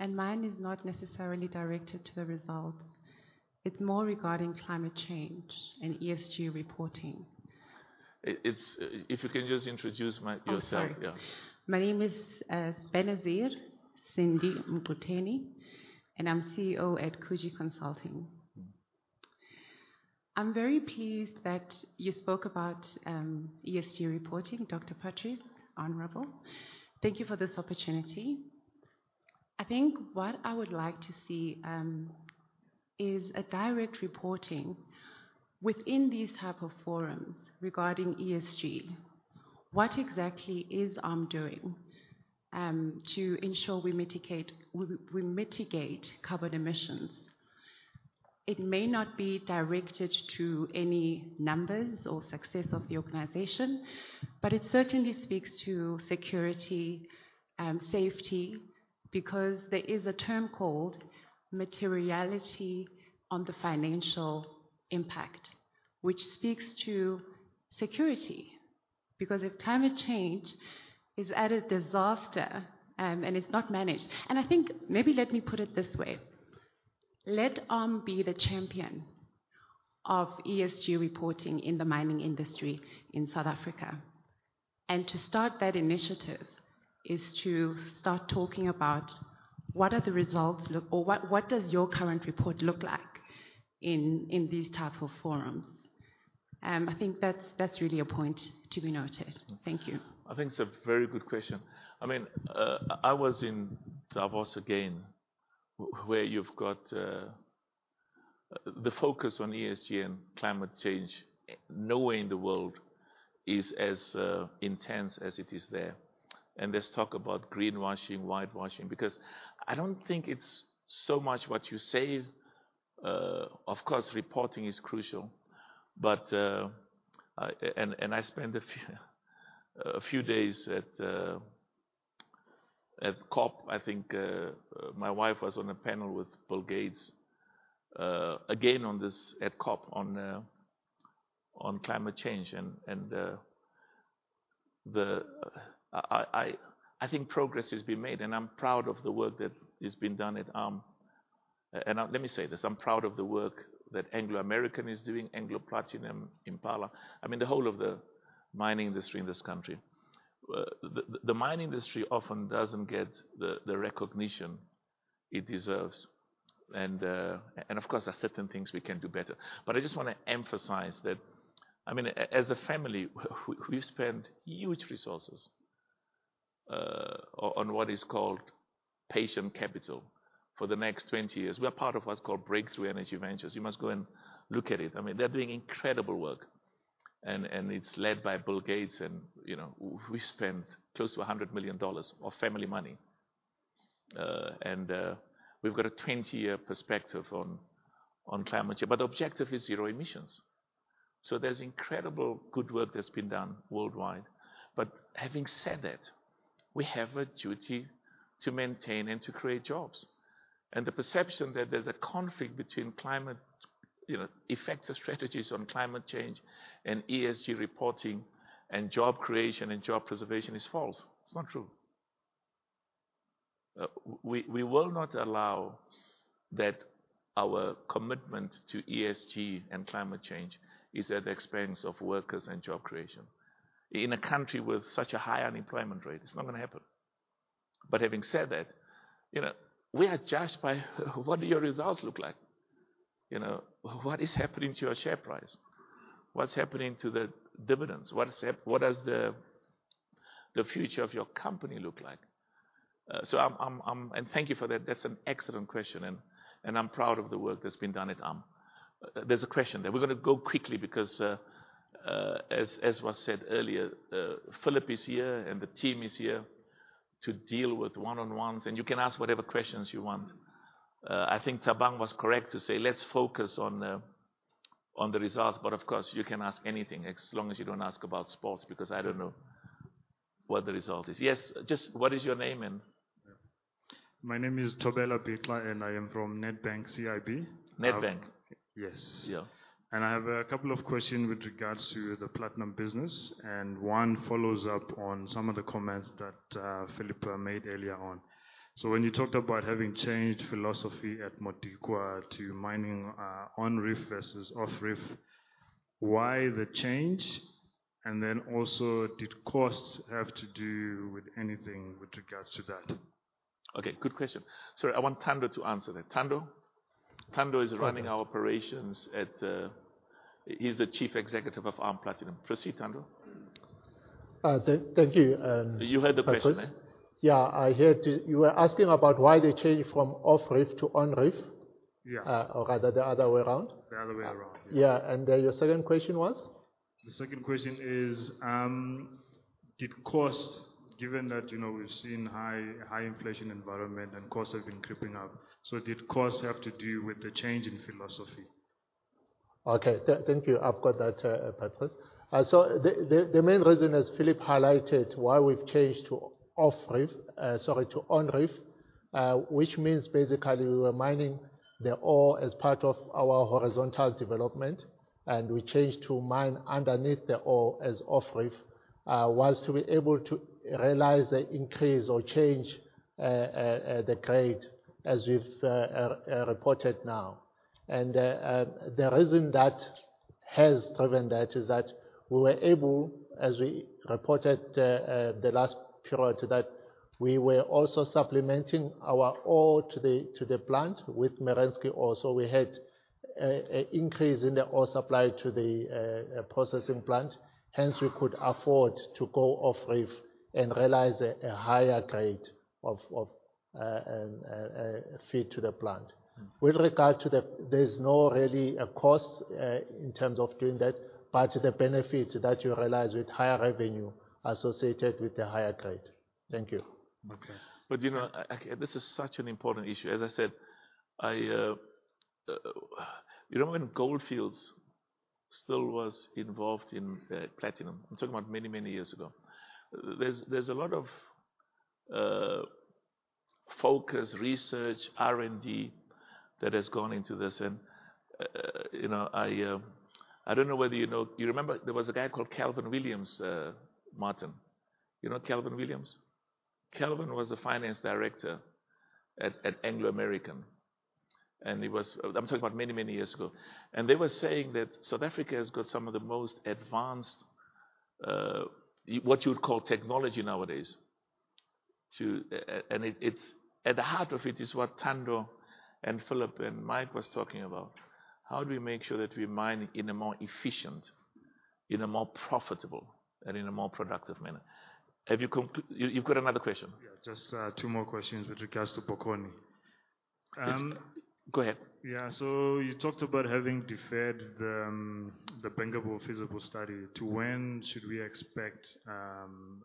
Mine is not necessarily directed to the results. It's more regarding climate change and ESG reporting. It's if you can just introduce yourself. Oh, sorry. Yeah. My name is Benazir Cindy Mputeni, and I'm CEO at Kuji Consulting. I'm very pleased that you spoke about ESG reporting, Dr. Patrice, Honorable. Thank you for this opportunity. I think what I would like to see is a direct reporting within these type of forums regarding ESG. What exactly is ARM doing to ensure we mitigate carbon emissions? It may not be directed to any numbers or success of the organization, but it certainly speaks to security, safety because there is a term called materiality on the financial impact, which speaks to security because if climate change is at a disaster, and it's not managed and I think maybe let me put it this way. Let ARM be the champion of ESG reporting in the mining industry in South Africa. To start that initiative is to start talking about what are the results look or what, what does your current report look like in, in these type of forums? I think that's, that's really a point to be noted. Thank you. I think it's a very good question. I mean, I was in Davos again where you've got the focus on ESG and climate change. Nowhere in the world is as intense as it is there. There's talk about greenwashing, whitewashing because I don't think it's so much what you say. Of course, reporting is crucial. But I spent a few days at COP. I think my wife was on a panel with Bill Gates, again on this at COP on climate change. I think progress has been made, and I'm proud of the work that has been done at ARM. Let me say this. I'm proud of the work that Anglo American is doing, Anglo Platinum, Impala. I mean, the whole of the mining industry in this country. The mining industry often doesn't get the recognition it deserves. And of course, there are certain things we can do better. But I just want to emphasize that I mean, as a family, we've spent huge resources on what is called patient capital for the next 20 years. We have part of what's called Breakthrough Energy Ventures. You must go and look at it. I mean, they're doing incredible work. And it's led by Bill Gates. And you know, we spent close to $100 million of family money. And we've got a 20-year perspective on climate change. But the objective is zero emissions. So there's incredible good work that's been done worldwide. But having said that, we have a duty to maintain and to create jobs. The perception that there's a conflict between climate you know, effective strategies on climate change and ESG reporting and job creation and job preservation is false. It's not true. We will not allow that our commitment to ESG and climate change is at the expense of workers and job creation. In a country with such a high unemployment rate, it's not going to happen. But having said that, you know, we are judged by what do your results look like? You know, what is happening to your share price? What's happening to the dividends? What does the future of your company look like? So I'm and thank you for that. That's an excellent question. And I'm proud of the work that's been done at ARM. There's a question there. We're going to go quickly because, as was said earlier, Phillip is here, and the team is here to deal with one-on-ones. And you can ask whatever questions you want. I think Thabang was correct to say, "Let's focus on the results." But of course, you can ask anything as long as you don't ask about sports because I don't know what the result is. Yes, just what is your name and? Yeah. My name is Tobela Bikla, and I am from Nedbank CIB. Nedbank. Yes. Yeah. I have a couple of questions with regards to the platinum business. One follows up on some of the comments that Phillip made earlier on. So when you talked about having changed philosophy at Modikwa to mining, on-reef versus off-reef, why the change? And then also, did costs have to do with anything with regards to that? Okay. Good question. Sorry, I want Thando to answer that. Thando? Thando is running our operations at, he's the Chief Executive of ARM Platinum. Proceed, Thando. Thank you. I'm sorry. You heard the question. Yeah, I heard you were asking about why they changed from off-reef to on-reef. Yeah. or rather, the other way around. The other way around, yeah. Yeah. And your second question was? The second question is, did costs given that, you know, we've seen high, high inflation environment and costs have been creeping up, so did costs have to do with the change in philosophy? Okay. Thank you. I've got that, Patrice. So the main reason is Philip highlighted why we've changed to off-reef, sorry, to on-reef, which means basically we were mining the ore as part of our horizontal development. And we changed to mine underneath the ore as off-reef, was to be able to realize the increase or change the grade as we've reported now. And the reason that has driven that is that we were able as we reported the last period that we were also supplementing our ore to the plant with Merensky also. We had an increase in the ore supply to the processing plant. Hence, we could afford to go off-reef and realize a higher grade of feed to the plant. With regard to the, there's no real cost, in terms of doing that, but the benefit that you realize with higher revenue associated with the higher grade. Thank you. Okay. But you know, okay, this is such an important issue. As I said, you remember when Gold Fields still was involved in platinum? I'm talking about many, many years ago. There's a lot of focus, research, R&D that has gone into this. And you know, I don't know whether you know. You remember, there was a guy called Calvin Williams, Martin. You know Calvin Williams? Calvin was the finance director at Anglo American. And he was. I'm talking about many, many years ago. And they were saying that South Africa has got some of the most advanced, what you would call technology nowadays and it's at the heart of it is what Thando and Phillip and Mike was talking about. How do we make sure that we mine in a more efficient, in a more profitable, and in a more productive manner? Have you concluded? You've got another question. Yeah. Just two more questions with regards to Bokoni. Just go ahead. Yeah. So you talked about having deferred the bankable feasibility study. To when should we expect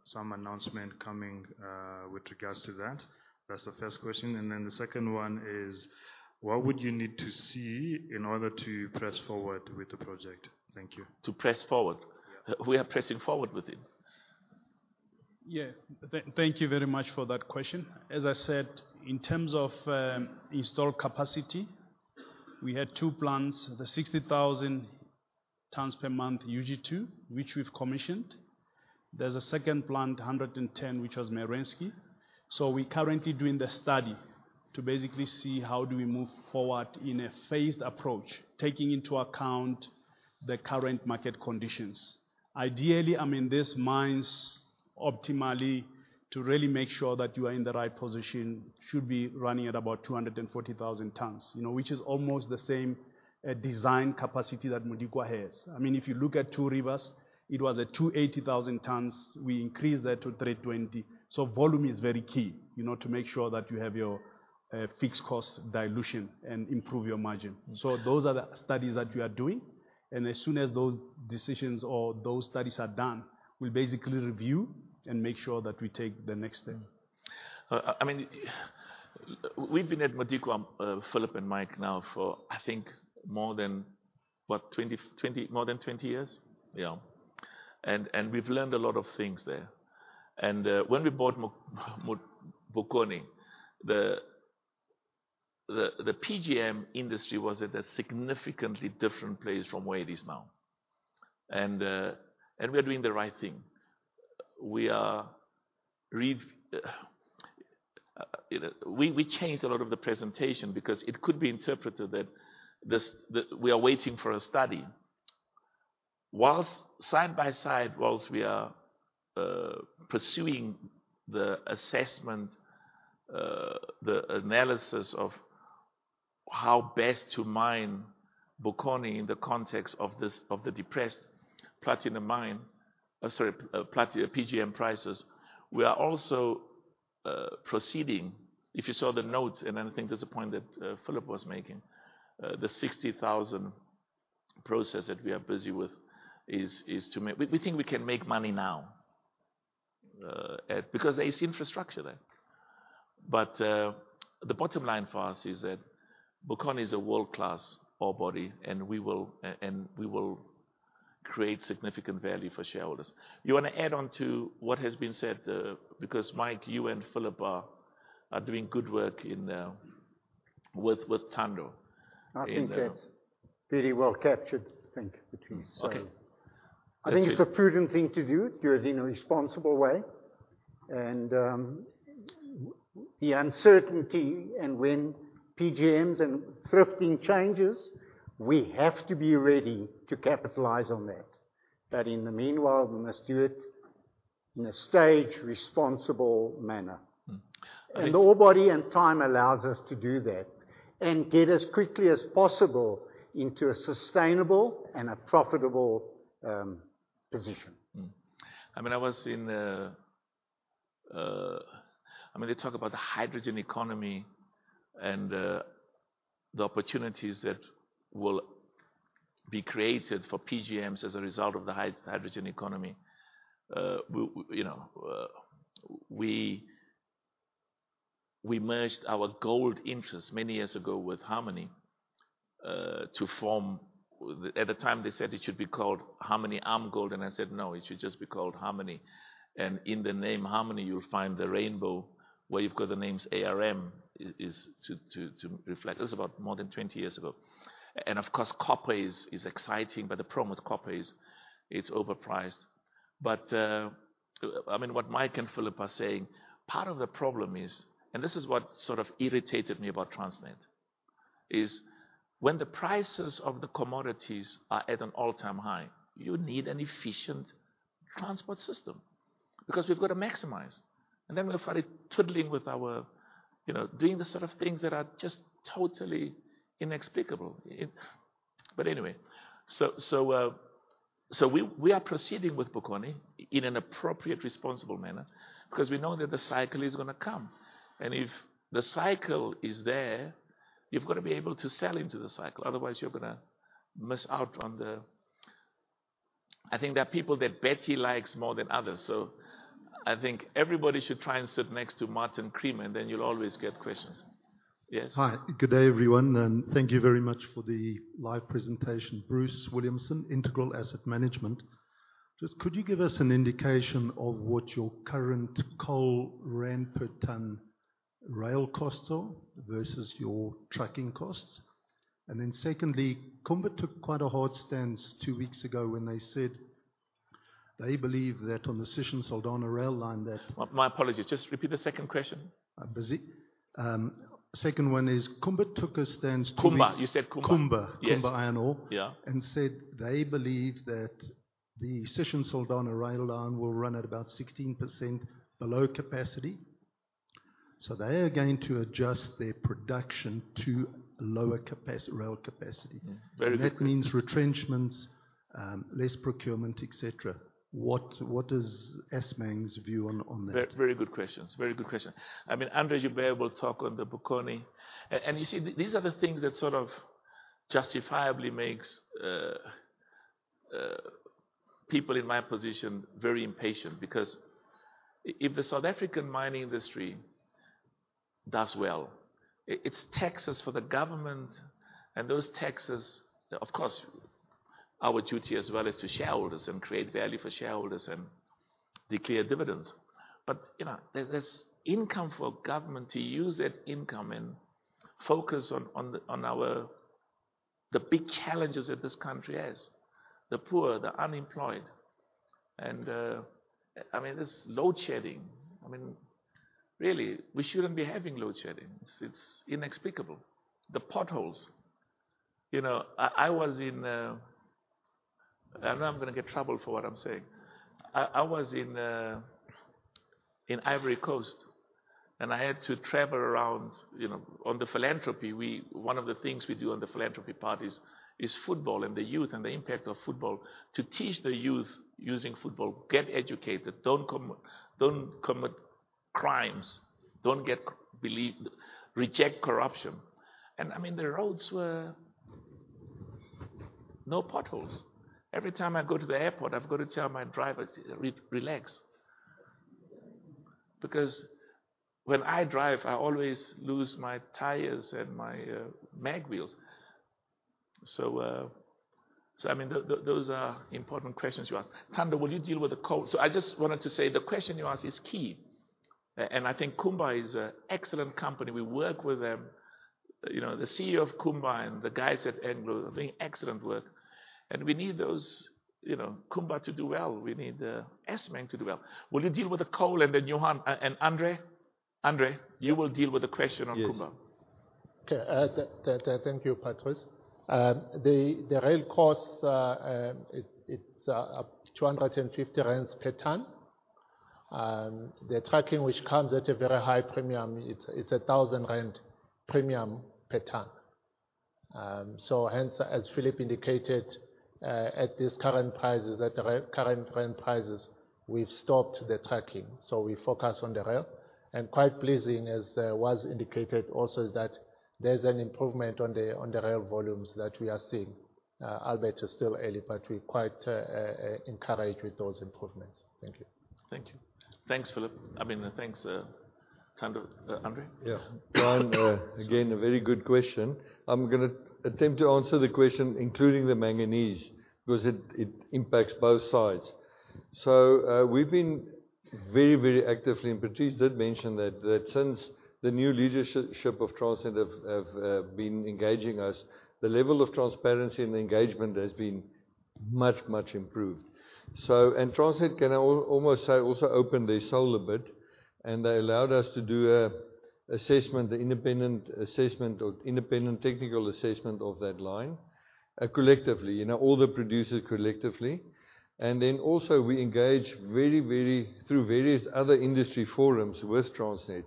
some announcement coming with regards to that? That's the first question. And then the second one is, what would you need to see in order to press forward with the project? Thank you. To press forward? Yeah. We are pressing forward with it. Yes. Thank you very much for that question. As I said, in terms of installed capacity, we had two plants, the 60,000 tons per month UG2, which we've commissioned. There's a second plant, 110, which was Merensky. So we're currently doing the study to basically see how do we move forward in a phased approach, taking into account the current market conditions. Ideally, I mean, this mine optimally to really make sure that you are in the right position should be running at about 240,000 tons, you know, which is almost the same design capacity that Modikwa has. I mean, if you look at Two Rivers, it was at 280,000 tons. We increased that to 320. So volume is very key, you know, to make sure that you have your fixed cost dilution and improve your margin. So those are the studies that we are doing. As soon as those decisions or those studies are done, we'll basically review and make sure that we take the next step. Mm-hmm. I mean, we've been at Modikwa, Phillip and Mike, now for, I think, more than 20 years, yeah? And we've learned a lot of things there. And when we bought Bokoni, the PGM industry was at a significantly different place from where it is now. And we are doing the right thing. You know, we changed a lot of the presentation because it could be interpreted that we are waiting for a study. While side by side, while we are pursuing the assessment, the analysis of how best to mine Bokoni in the context of the depressed platinum—sorry, platinum PGM prices, we are also proceeding. If you saw the notes, and I think there's a point that Phillip was making, the 60,000 process that we are busy with is to make—we think we can make money now because there is infrastructure there. But the bottom line for us is that Bokoni is a world-class ore body, and we will—and we will—create significant value for shareholders. You want to add onto what has been said, because Mike, you and Phillip are doing good work in with Thando in, I think that's pretty well captured, I think, what he's saying. Okay. I think it's a prudent thing to do. You're in a responsible way. And the uncertainty and when PGMs and thrifting changes, we have to be ready to capitalize on that. But in the meanwhile, we must do it in a staged responsible manner. Mm-hmm. The ore body and time allows us to do that and get as quickly as possible into a sustainable and a profitable position. Mm-hmm. I mean, they talk about the hydrogen economy and the opportunities that will be created for PGMs as a result of the hydrogen economy. You know, we merged our gold interests many years ago with Harmony to form, at the time, they said it should be called Harmony ARM Gold. And I said, "No, it should just be called Harmony." And in the name Harmony, you'll find the rainbow where you've got the names ARM is to reflect. That was about more than 20 years ago. And of course, copper is exciting. But the problem with copper is it's overpriced. But, I mean, what Mike and Phillip are saying, part of the problem is and this is what sort of irritated me about Transnet is when the prices of the commodities are at an all-time high, you need an efficient transport system because we've got to maximize. And then we're fully toodling with our you know, doing the sort of things that are just totally inexplicable. It but anyway. So we are proceeding with Bokoni in an appropriate, responsible manner because we know that the cycle is going to come. And if the cycle is there, you've got to be able to sell into the cycle. Otherwise, you're going to miss out on the I think there are people that Betty likes more than others. So I think everybody should try and sit next to Martin Creamer, and then you'll always get questions. Yes? Hi. Good day, everyone. Thank you very much for the live presentation. Bruce Williamson, Integral Asset Management. Just could you give us an indication of what your current coal rent per ton rail costs are versus your tracking costs? And then secondly, Kumba took quite a hard stance two weeks ago when they said they believe that on the Sishen-Saldanha rail line that. My apologies. Just repeat the second question. I'm busy. Second one is Kumba took a stance to. Kumba. You said Kumba. Coomba. Yes. Kumba Iron Ore. Yes. Yeah. And said they believe that the Sishen-Saldanha rail line will run at about 16% below capacity. So they are going to adjust their production to lower capacity rail capacity. Mm-hmm. Very good. That means retrenchments, less procurement, etc. What is Assmang's view on that? Very good questions. Very good question. I mean, Andre Joubert will talk on the Bokoni. And you see, these are the things that sort of justifiably makes people in my position very impatient because if the South African mining industry does well, it's taxes for the government. And those taxes of course, our duty as well is to shareholders and create value for shareholders and declare dividends. But, you know, there's income for government to use that income and focus on the big challenges that this country has, the poor, the unemployed. And, I mean, there's load shedding. I mean, really, we shouldn't be having load shedding. It's inexplicable. The potholes. You know, I was in, I know I'm going to get trouble for what I'm saying. I was in Ivory Coast, and I had to travel around, you know on the philanthropy, we one of the things we do on the philanthropy parties is football and the youth and the impact of football to teach the youth using football, get educated, don't commit crimes, don't get involved reject corruption. And I mean, the roads were no potholes. Every time I go to the airport, I've got to tell my driver, "Relax." Because when I drive, I always lose my tires and my mag wheels. So, so I mean, those are important questions you asked. Thando, will you deal with the coal? So I just wanted to say the question you asked is key. And I think Kumba is an excellent company. We work with them. You know, the CEO of Kumba and the guys at Anglo are doing excellent work. We need those, you know, Kumba to do well. We need Assmang to do well. Will you deal with the coal and then Johan and Andre? Andre? Yes. You will deal with the question on Kumba. Yes. Okay. Thank you, Patrice. The rail costs, it's up 210 rand per ton. The tracking, which comes at a very high premium, it's 1,000 rand premium per ton. So hence, as Phillip indicated, at these current prices at the rail current rent prices, we've stopped the tracking. So we focus on the rail. And quite pleasing, as was indicated also, is that there's an improvement on the rail volumes that we are seeing. Albeit it's still early, but we quite encourage with those improvements. Thank you. Thank you. Thanks, Phillip. I mean, thanks, Thando Andre? Yeah. John, again, a very good question. I'm going to attempt to answer the question including the manganese because it impacts both sides. So, we've been very, very actively and Patrice did mention that since the new leadership of Transnet have been engaging us, the level of transparency and the engagement has been much, much improved. So, and Transnet, can I almost say, also opened their soul a bit. And they allowed us to do an assessment, the independent assessment or independent technical assessment of that line, collectively, you know, all the producers collectively. And then also, we engage very, very through various other industry forums with Transnet.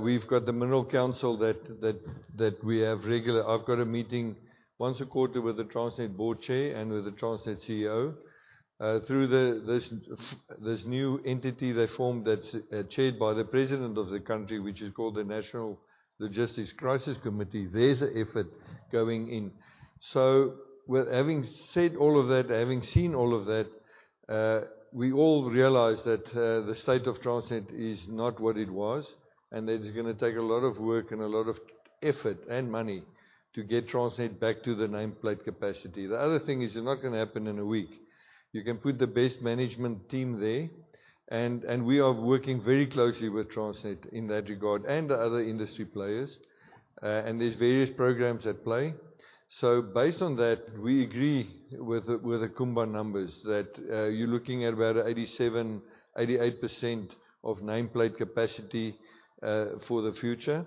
We've got the Mineral Council that we have regular. I've got a meeting once a quarter with the Transnet board chair and with the Transnet CEO. through this new entity they formed that's chaired by the president of the country, which is called the National Logistics Crisis Committee, there's an effort going in. So with having said all of that, having seen all of that, we all realize that the state of Transnet is not what it was, and that it's going to take a lot of work and a lot of effort and money to get Transnet back to the nameplate capacity. The other thing is it's not going to happen in a week. You can put the best management team there. And we are working very closely with Transnet in that regard and the other industry players, and there's various programs at play. So based on that, we agree with the Kumba numbers that you're looking at about 87%-88% of nameplate capacity for the future.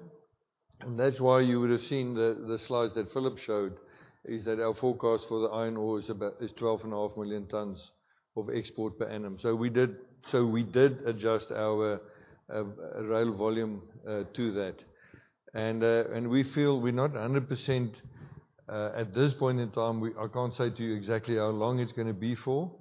And that's why you would have seen the slides that Phillip showed is that our forecast for the iron ore is about 12.5 million tons of export per annum. So we did adjust our rail volume to that. And we feel we're not 100% at this point in time. I can't say to you exactly how long it's going to be for.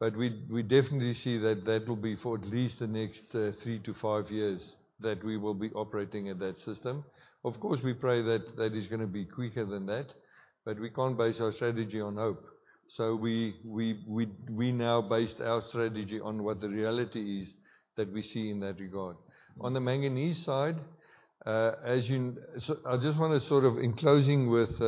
But we definitely see that that will be for at least the next 3-5 years that we will be operating at that system. Of course, we pray that that is going to be quicker than that. But we can't base our strategy on hope. So we now based our strategy on what the reality is that we see in that regard. On the manganese side, as you so I just want to sort of in closing with,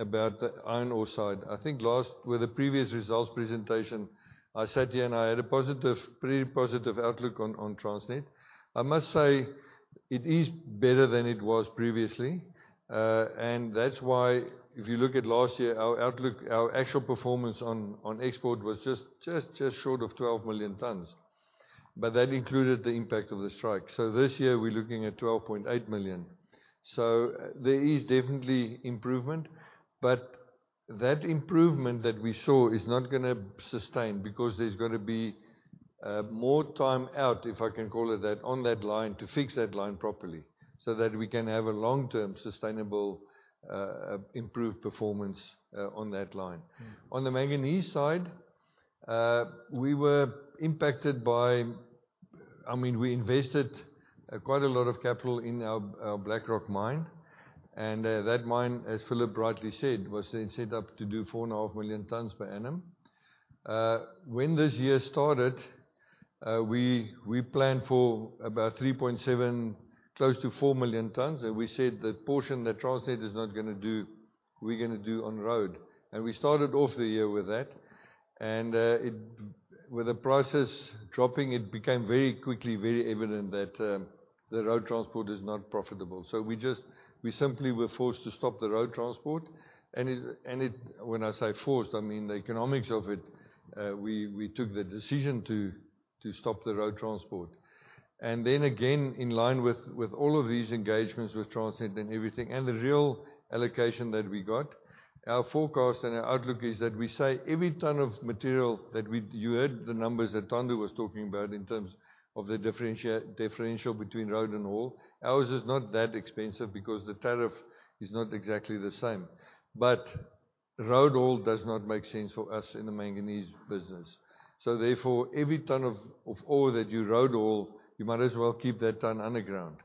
about the iron ore side. I think last with the previous results presentation, I sat here, and I had a positive pretty positive outlook on, on Transnet. I must say it is better than it was previously. And that's why if you look at last year, our outlook our actual performance on, on export was just short of 12 million tons. But that included the impact of the strike. So this year, we're looking at 12.8 million. So there is definitely improvement. But that improvement that we saw is not going to sustain because there's going to be more time out, if I can call it that, on that line to fix that line properly so that we can have a long-term sustainable, improved performance, on that line. On the manganese side, we were impacted by I mean, we invested quite a lot of capital in our Black Rock Mine. And that mine, as Phillip rightly said, was then set up to do 4.5 million tons per annum. When this year started, we planned for about 3.7 close to 4 million tons. And we said the portion that Transnet is not going to do, we're going to do on road. And we started off the year with that. And with the prices dropping, it became very quickly very evident that the road transport is not profitable. So we just we simply were forced to stop the road transport. And when I say forced, I mean the economics of it. We took the decision to stop the road transport. Then again, in line with with all of these engagements with Transnet and everything and the real allocation that we got, our forecast and our outlook is that we say every ton of material that we you heard the numbers that Thando was talking about in terms of the differential between road and rail, ours is not that expensive because the tariff is not exactly the same. But road haul does not make sense for us in the manganese business. So therefore, every ton of of ore that you road haul, you might as well keep that ton underground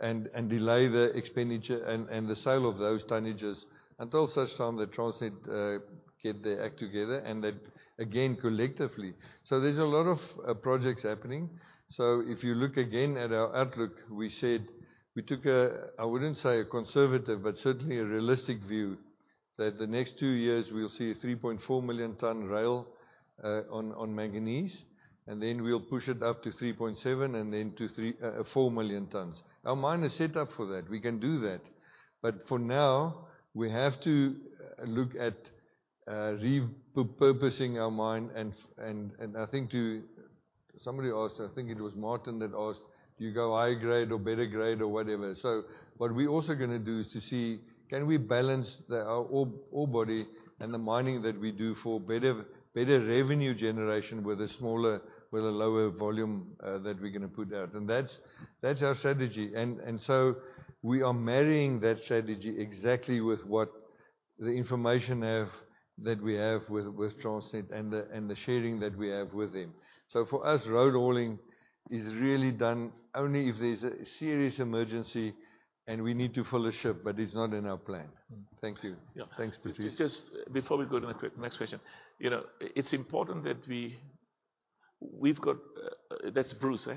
and and delay the expenditure and and the sale of those tonnages until such time that Transnet get their act together and that again, collectively so there's a lot of projects happening. So if you look again at our outlook, we said we took a—I wouldn't say a conservative but certainly a realistic—view that the next two years, we'll see a 3.4 million ton rail on manganese. And then we'll push it up to 3.7 and then to 3.4 million tons. Our mine is set up for that. We can do that. But for now, we have to look at repurposing our mine. And I think somebody asked—I think it was Martin that asked, "Do you go higher grade or better grade or whatever?" So what we're also going to do is to see, can we balance our ore body and the mining that we do for better revenue generation with a smaller with a lower volume that we're going to put out? And that's our strategy. And so we are marrying that strategy exactly with what information we have with Transnet and the sharing that we have with them. So for us, road hauling is really done only if there's a serious emergency and we need to fill a ship. But it's not in our plan. Thank you. Yeah. Thanks, Patrice. Just before we go to the quick next question, you know, it's important that we've got that's Bruce,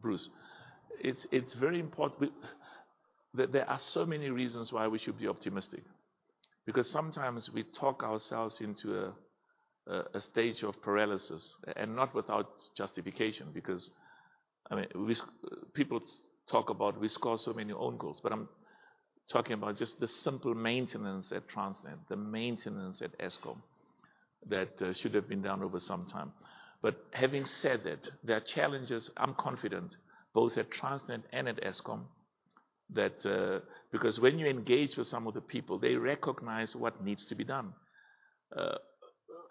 Bruce. It's very important that there are so many reasons why we should be optimistic because sometimes, we talk ourselves into a stage of paralysis and not without justification because I mean, as people talk about we score so many own goals. But I'm talking about just the simple maintenance at Transnet, the maintenance at Eskom that should have been done over some time. But having said that, there are challenges, I'm confident, both at Transnet and at Eskom that because when you engage with some of the people, they recognize what needs to be done.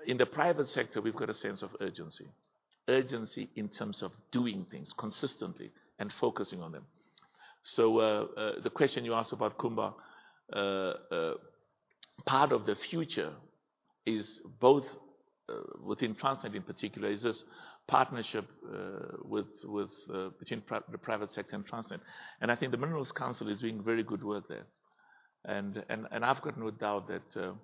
In the private sector, we've got a sense of urgency in terms of doing things consistently and focusing on them. So, the question you asked about Kumba, part of the future is both within Transnet in particular, is this partnership with the private sector and Transnet. And I think the Minerals Council is doing very good work there. And I've got no doubt that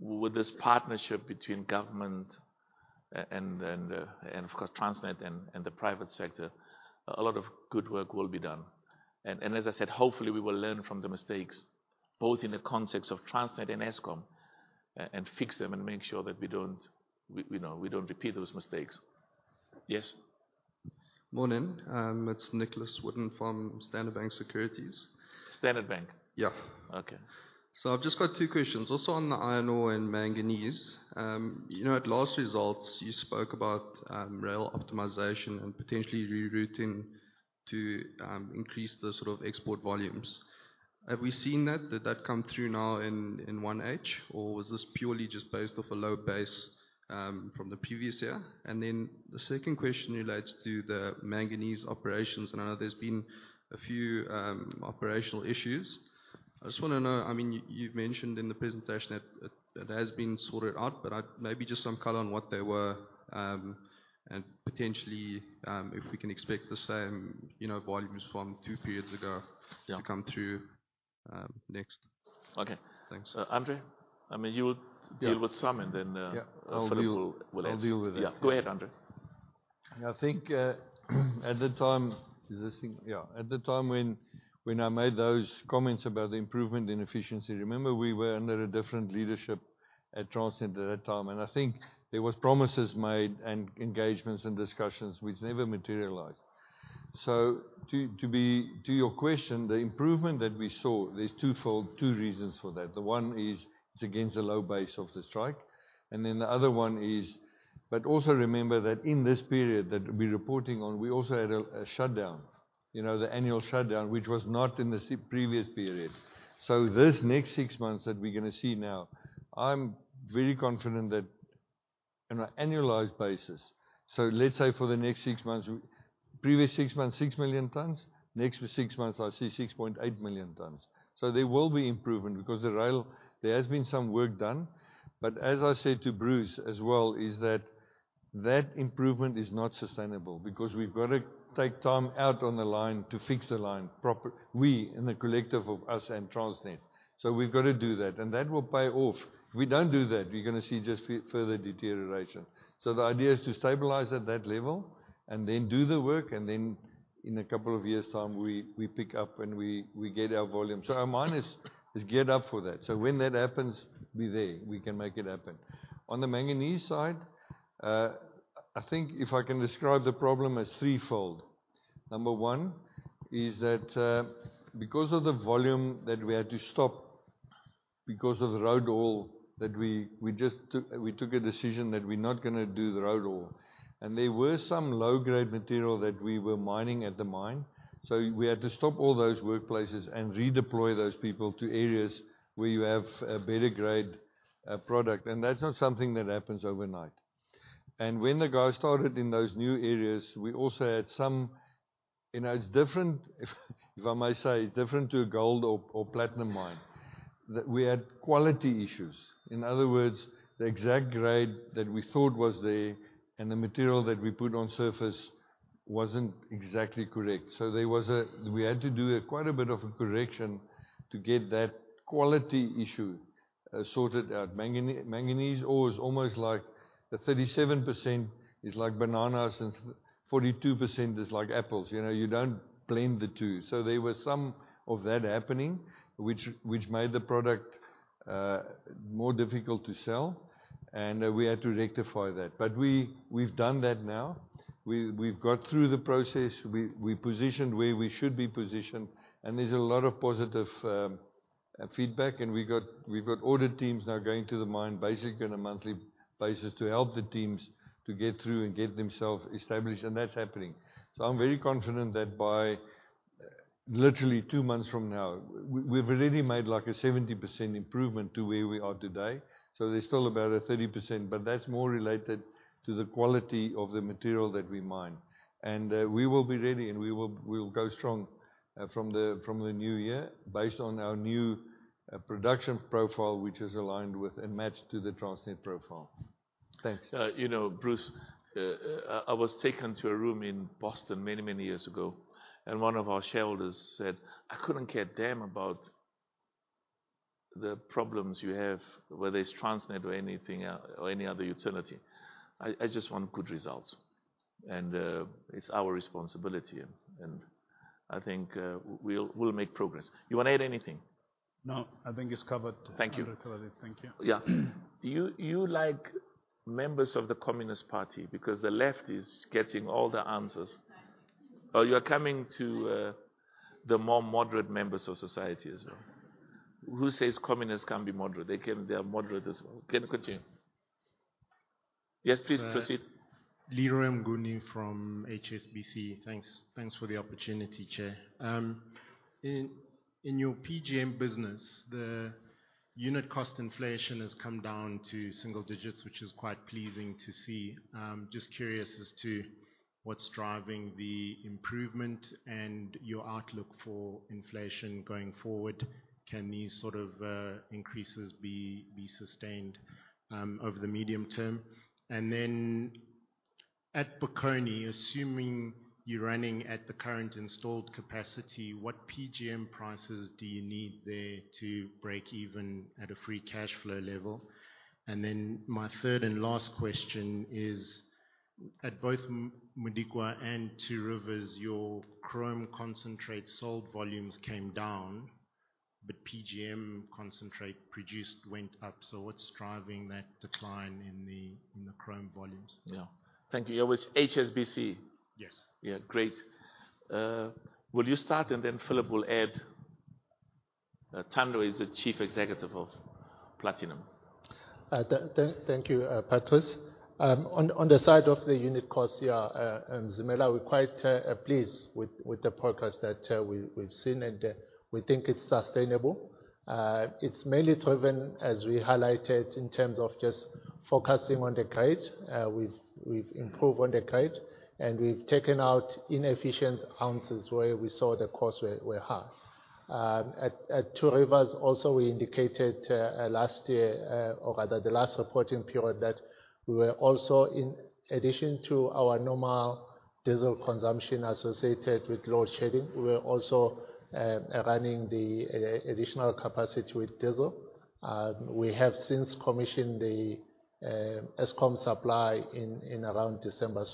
with this partnership between government and, of course, Transnet and the private sector, a lot of good work will be done. And as I said, hopefully, we will learn from the mistakes both in the context of Transnet and Eskom, and fix them and make sure that we don't, you know, we don't repeat those mistakes. Yes? Morning. It's Nicholas Wooden from Standard Bank Securities. Standard Bank? Yeah. Okay. So I've just got two questions. Also on the iron ore and manganese, you know, at last results, you spoke about rail optimization and potentially rerouting to increase the sort of export volumes. Have we seen that? Did that come through now in 1H? Or was this purely just based off a low base from the previous year? And then the second question relates to the manganese operations. And I know there's been a few operational issues. I just want to know, I mean, you've mentioned in the presentation that it has been sorted out. But I'd maybe just some color on what they were, and potentially, if we can expect the same, you know, volumes from two periods ago. Yeah. To come through, next. Okay. Thanks. Andre? I mean, you'll deal with some, and then, Yeah. Phillip will answer. I'll deal with it. Yeah. Go ahead, Andre. Yeah. I think, at the time is this thing? Yeah. At the time when, when I made those comments about the improvement in efficiency, remember, we were under a different leadership at Transnet at that time. And I think there was promises made and engagements and discussions, which never materialized. So to, to be to your question, the improvement that we saw, there's twofold two reasons for that. The one is it's against the low base of the strike. And then the other one is but also remember that in this period that we're reporting on, we also had a, a shutdown, you know, the annual shutdown, which was not in the previous period. So this next six months that we're going to see now, I'm very confident that on an annualized basis so let's say for the next six months, we previous six months, 6 million tons. Next six months, I see 6.8 million tons. So there will be improvement because the rail there has been some work done. But as I said to Bruce as well, is that that improvement is not sustainable because we've got to take time out on the line to fix the line proper, we, in the collective of us and Transnet. So we've got to do that. And that will pay off. If we don't do that, we're going to see just a further deterioration. So the idea is to stabilize at that level and then do the work. And then in a couple of years' time, we, we pick up and we, we get our volume. So our mine is, is geared up for that. So when that happens, be there. We can make it happen. On the manganese side, I think if I can describe the problem as threefold. Number one is that, because of the volume that we had to stop because of the road ore that we just took a decision that we're not going to do the road ore. And there were some low-grade material that we were mining at the mine. So we had to stop all those workplaces and redeploy those people to areas where you have a better grade, product. And that's not something that happens overnight. And when the guys started in those new areas, we also had some you know, it's different if I may say, it's different to a gold or platinum mine. That we had quality issues. In other words, the exact grade that we thought was there and the material that we put on surface wasn't exactly correct. So there was, we had to do quite a bit of a correction to get that quality issue sorted out. Manganese manganese ore is almost like the 37% is like bananas and 42% is like apples. You know, you don't blend the two. So there was some of that happening, which made the product more difficult to sell. And we had to rectify that. But we've done that now. We've got through the process. We positioned where we should be positioned. And there's a lot of positive feedback. And we've got audit teams now going to the mine basically on a monthly basis to help the teams to get through and get themselves established. And that's happening. So I'm very confident that by literally two months from now, we've already made like a 70% improvement to where we are today. So there's still about 30%. But that's more related to the quality of the material that we mine. And we will be ready. And we will go strong from the new year based on our new production profile, which is aligned with and matched to the Transnet profile. Thanks. You know, Bruce, I was taken to a room in Boston many, many years ago. And one of our shareholders said, "I couldn't care damn about the problems you have, whether it's Transnet or anything else or any other utility. I, I just want good results. And, it's our responsibility. And, and I think, we'll, we'll make progress." You want to add anything? No. I think it's covered. Thank you. We've covered it. Thank you. Yeah. You, you like members of the Communist Party because the left is getting all the answers. Or you're coming to, the more moderate members of society as well. Who says Communists can't be moderate? They can. They are moderate as well. Can you continue? Yes, please proceed. Leeram Gooney from HSBC. Thanks. Thanks for the opportunity, Chair. In your PGM business, the unit cost inflation has come down to single digits, which is quite pleasing to see. Just curious as to what's driving the improvement and your outlook for inflation going forward. Can these sort of increases be sustained over the medium term? And then at Bokoni, assuming you're running at the current installed capacity, what PGM prices do you need there to break even at a free cash flow level? And then my third and last question is, at both Modikwa and Two Rivers, your chrome concentrate sold volumes came down. But PGM concentrate produced went up. So what's driving that decline in the chrome volumes? Yeah. Thank you. You always HSBC. Yes. Yeah. Great. Will you start? And then Phillip will add. Thando is the Chief Executive of Platinum. Thank you, Patrice. On the side of the unit cost, yeah, Zimella, we're quite pleased with the progress that we've seen. And we think it's sustainable. It's mainly driven, as we highlighted, in terms of just focusing on the grade. We've improved on the grade. And we've taken out inefficient ounces where we saw the costs were high. At Two Rivers also, we indicated last year, or rather, the last reporting period, that we were also in addition to our normal diesel consumption associated with load shedding, running the additional capacity with diesel. We have since commissioned the Eskom supply in around December.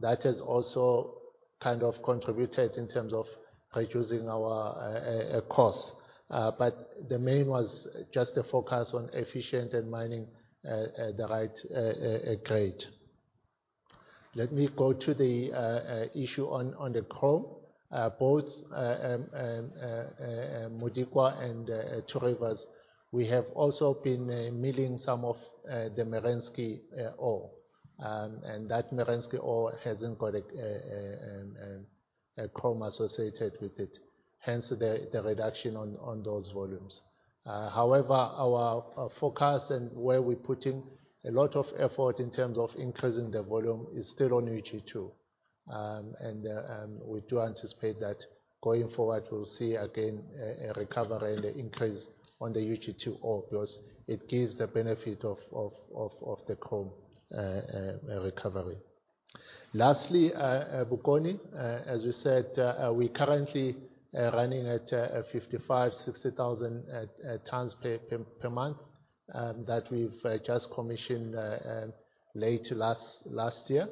So that has also kind of contributed in terms of reducing our cost. But the main was just a focus on efficient and mining the right grade. Let me go to the issue on the chrome. both Modikwa and Two Rivers, we have also been milling some of the Merensky ore. And that Merensky ore hasn't got a chrome associated with it. Hence, the reduction on those volumes. However, our focus and where we're putting a lot of effort in terms of increasing the volume is still on UG2. And we do anticipate that going forward, we'll see again a recovery and an increase on the UG2 ore because it gives the benefit of the chrome recovery. Lastly, Bokoni, as you said, we're currently running at 55,000-60,000 tons per month, that we've just commissioned late last year.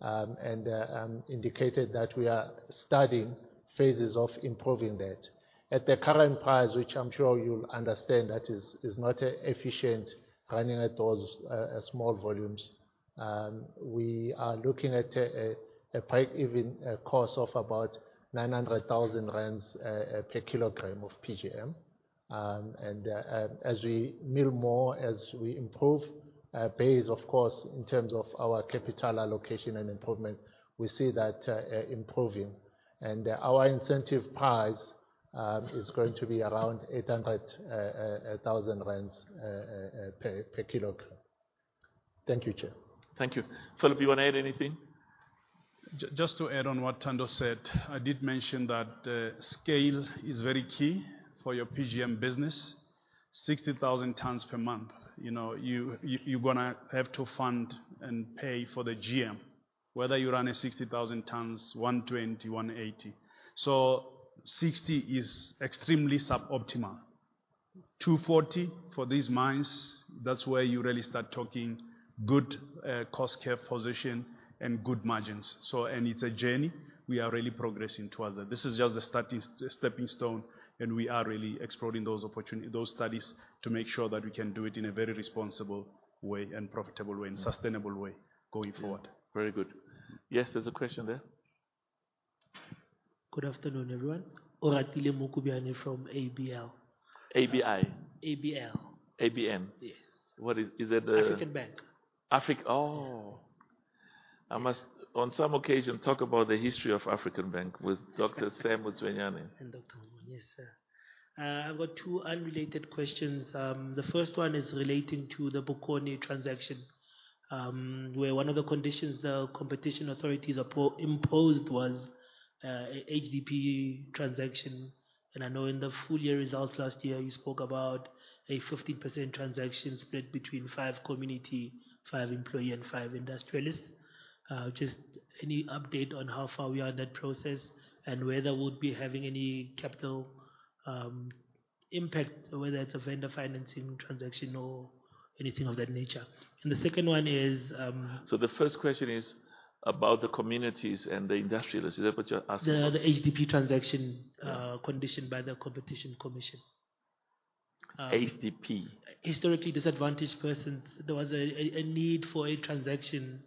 And indicated that we are studying phases of improving that. At the current price, which I'm sure you'll understand, that is not an efficient running at those small volumes. We are looking at a break-even cost of about 900,000 rand per kilogram of PGM. As we mill more, as we improve based, of course, in terms of our capital allocation and improvement, we see that improving. Our incentive price is going to be around 800-1,000 rand per kilogram. Thank you, Chair. Thank you. Phillip, you want to add anything? Just to add on what Thando said, I did mention that, scale is very key for your PGM business. 60,000 tons per month, you know, you're going to have to fund and pay for the GM, whether you run a 60,000 tons, 120, 180. So 60 is extremely suboptimal. 240 for these mines, that's where you really start talking good, cost curve position and good margins. And it's a journey. We are really progressing towards that. This is just a starting stepping stone. And we are really exploring those opportunities, those studies, to make sure that we can do it in a very responsible way and profitable way and sustainable way going forward. Very good. Yes, there's a question there. Good afternoon, everyone. Oratile Mukubiane from ABL. ABI. ABL. ABN. Yes. What is that? African Bank. I must, on some occasion, talk about the history of African Bank with Dr. Sam Motsuenyane. And Dr. Motsuenyane. Yes, sir. I've got two unrelated questions. The first one is relating to the Bokoni transaction, where one of the conditions the competition authorities imposed was, a HDP transaction. And I know in the full year results last year, you spoke about a 15% transaction split between 5 community, 5 employee, and 5 industrialists. Just any update on how far we are in that process and whether we'll be having any capital, impact, whether it's a vendor financing transaction or anything of that nature. And the second one is, The first question is about the communities and the industrialists. Is that what you're asking about? The HDP transaction, conditioned by the Competition Commission. HDP. Historically Disadvantaged Persons. There was a need for a transaction,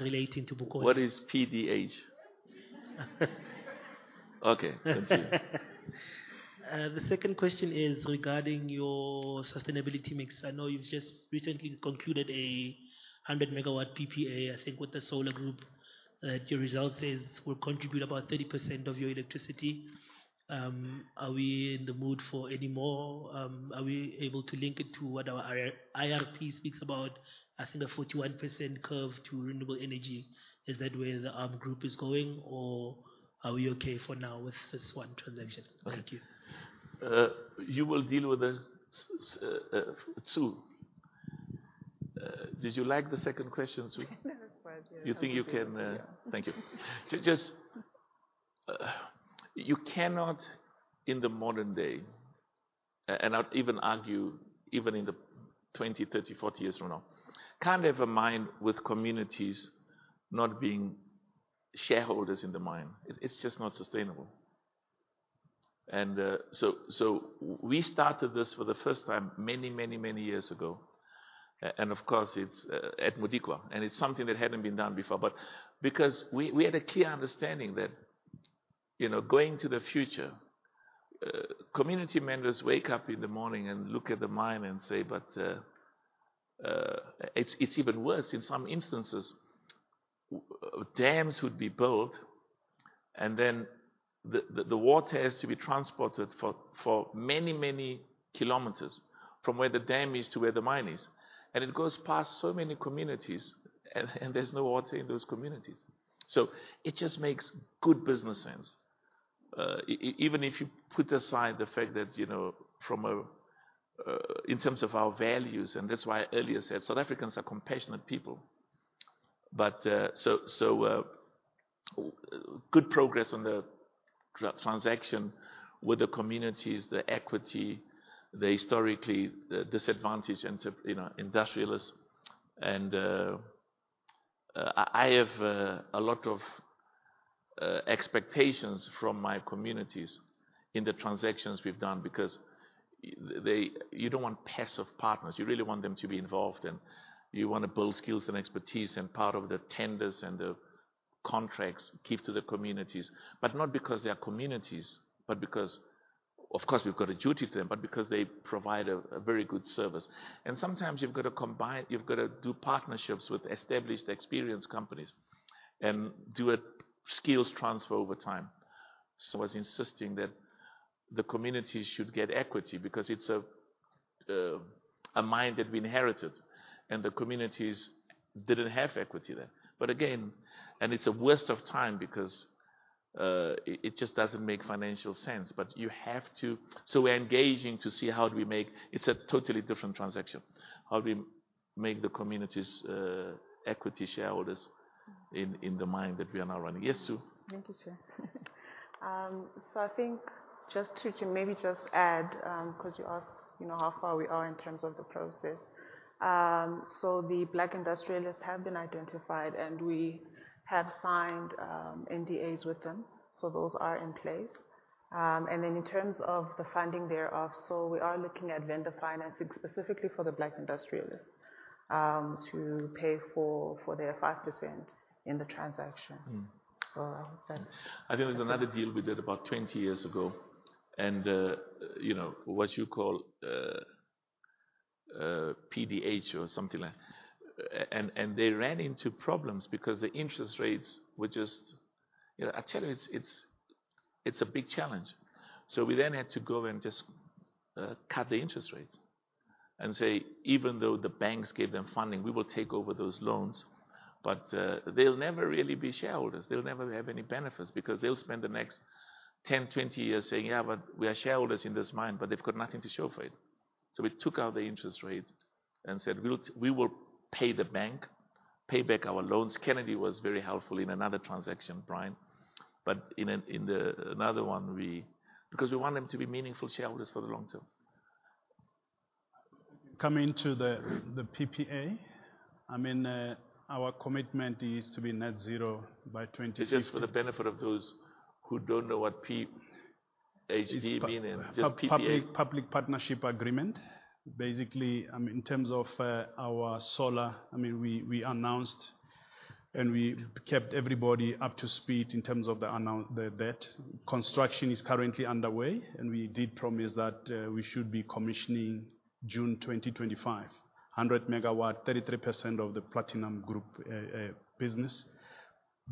relating to Bokoni. What is PDH? Okay. Thank you. The second question is regarding your sustainability mix. I know you've just recently concluded a 100-MW PPA, I think, with the solar group that your results say will contribute about 30% of your electricity. Are we in the mood for any more? Are we able to link it to what our IR IRP speaks about? I think a 41% curve to renewable energy. Is that where the ARM group is going? Or are we okay for now with this one transaction? Okay. Thank you. You will deal with that soon. Did you like the second question, Tsu? I think that was quite good. You think you can, Yeah. Thank you. Just, you cannot, in the modern day, and I'll even argue, even in the 20, 30, 40 years from now, kind of a mine with communities not being shareholders in the mine. It's just not sustainable. And, so, so we started this for the first time many, many, many years ago. And, of course, it's at Modikwa. And it's something that hadn't been done before. But because we had a clear understanding that, you know, going to the future, community members wake up in the morning and look at the mine and say, "But, it's even worse. In some instances, dams would be built. And then the water has to be transported for many, many kilometers from where the dam is to where the mine is. And it goes past so many communities. And there's no water in those communities. So it just makes good business sense, even if you put aside the fact that, you know, from a, in terms of our values and that's why I earlier said South Africans are compassionate people. But good progress on the transaction with the communities, the equity, the historically disadvantaged, you know, industrialists. And I have a lot of expectations from my communities in the transactions we've done because they, you don't want passive partners. You really want them to be involved. And you want to build skills and expertise and part of the tenders and the contracts give to the communities. But not because they are communities, but because of course, we've got a duty to them, but because they provide a very good service. Sometimes, you've got to do partnerships with established, experienced companies and do a skills transfer over time. So. Was insisting that the communities should get equity because it's a mine that we inherited. The communities didn't have equity there. But again, it's a waste of time because it just doesn't make financial sense. But you have to, so we're engaging to see how do we make it a totally different transaction, how do we make the communities equity shareholders in the mine that we are now running. Yes, Tsu. Thank you, Chair. So I think just to maybe just add, because you asked, you know, how far we are in terms of the process. The black industrialists have been identified. And we have signed NDAs with them. So those are in place. And then in terms of the funding thereof, we are looking at vendor financing specifically for the black industrialists, to pay for their 5% in the transaction. So I hope that's. I think there's another deal we did about 20 years ago. You know, what you call PDH or something like that, and they ran into problems because the interest rates were just, you know, I tell you, it's a big challenge. So we then had to go and just cut the interest rates and say, "Even though the banks gave them funding, we will take over those loans. But they'll never really be shareholders. They'll never have any benefits because they'll spend the next 10, 20 years saying, 'Yeah, but we are shareholders in this mine.' But they've got nothing to show for it." So we took out the interest rates and said, "We will pay the bank, pay back our loans." Brian Kennedy was very helpful in another transaction. But in another one, we, because we want them to be meaningful shareholders for the long term. Coming to the PPA, I mean, our commitment is to be net zero by 2050. Just for the benefit of those who don't know what HDP means. Just PPA. Just Public-Private Partnership Agreement. Basically, I mean, in terms of our solar, I mean, we announced. And we kept everybody up to speed in terms of the announcement, the deal. Construction is currently underway. And we did promise that we should be commissioning June 2025, 100 MW, 33% of the Platinum Group business.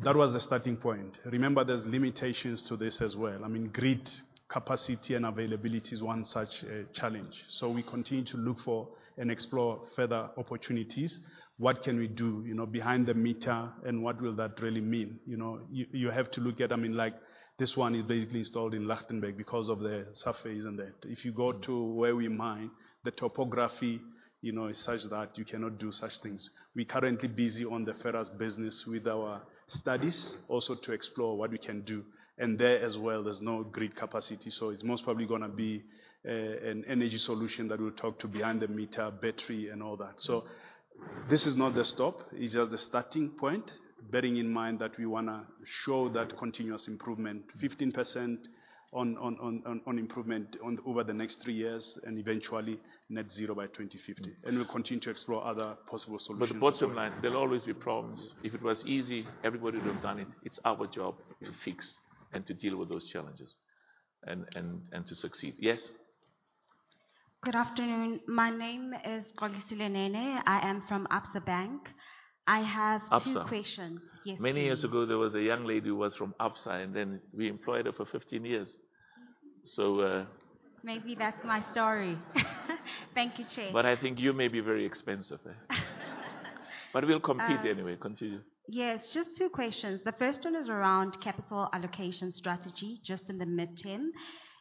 That was the starting point. Remember, there's limitations to this as well. I mean, grid capacity and availability is one such challenge. So we continue to look for and explore further opportunities. What can we do, you know, behind the meter? And what will that really mean? You know, you have to look at, I mean, like, this one is basically installed in Lichtenburg because of the surface and that. If you go to where we mine, the topography, you know, is such that you cannot do such things. We're currently busy on the ferrous business with our studies also to explore what we can do. And there as well, there's no grid capacity. So it's most probably going to be an energy solution that we'll talk to behind the meter, battery, and all that. So this is not the stop. It's just the starting point, bearing in mind that we want to show that continuous improvement, 15% improvement over the next three years and eventually net zero by 2050. And we'll continue to explore other possible solutions. The bottom line, there'll always be problems. If it was easy, everybody would have done it. It's our job to fix and to deal with those challenges and to succeed. Yes? Good afternoon. My name is Golisile Nene. I am from Absa Bank. I have two questions. Absa? Yes, please. Many years ago, there was a young lady who was from Absa. Then we employed her for 15 years. So, Maybe that's my story. Thank you, Chair. I think you may be very expensive. We'll compete anyway. Continue. Yes. Just two questions. The first one is around capital allocation strategy just in the midterm.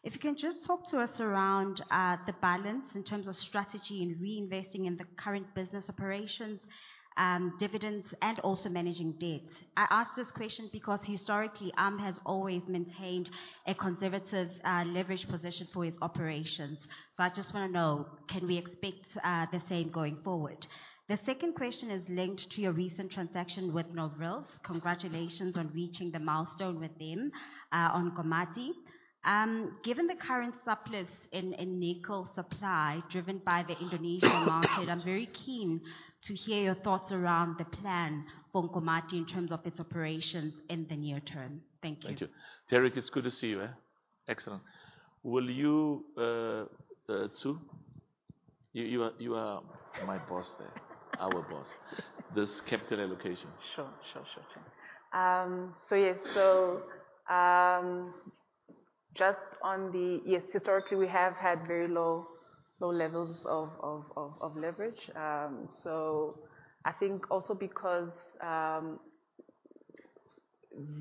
If you can just talk to us around the balance in terms of strategy and reinvesting in the current business operations, dividends, and also managing debt. I asked this question because historically, ARM has always maintained a conservative leverage position for its operations. So I just want to know, can we expect the same going forward? The second question is linked to your recent transaction with Nornickel. Congratulations on reaching the milestone with them on Nkomati. Given the current surplus in nickel supply driven by the Indonesian market, I'm very keen to hear your thoughts around the plan for Nkomati in terms of its operations in the near term. Thank you. Thank you. Derek, it's good to see you. Excellent. Will you, Tsu? You are my boss there, our boss, this capital allocation. Sure, Chair. So yes. So, just on that, historically, we have had very low levels of leverage. So I think also because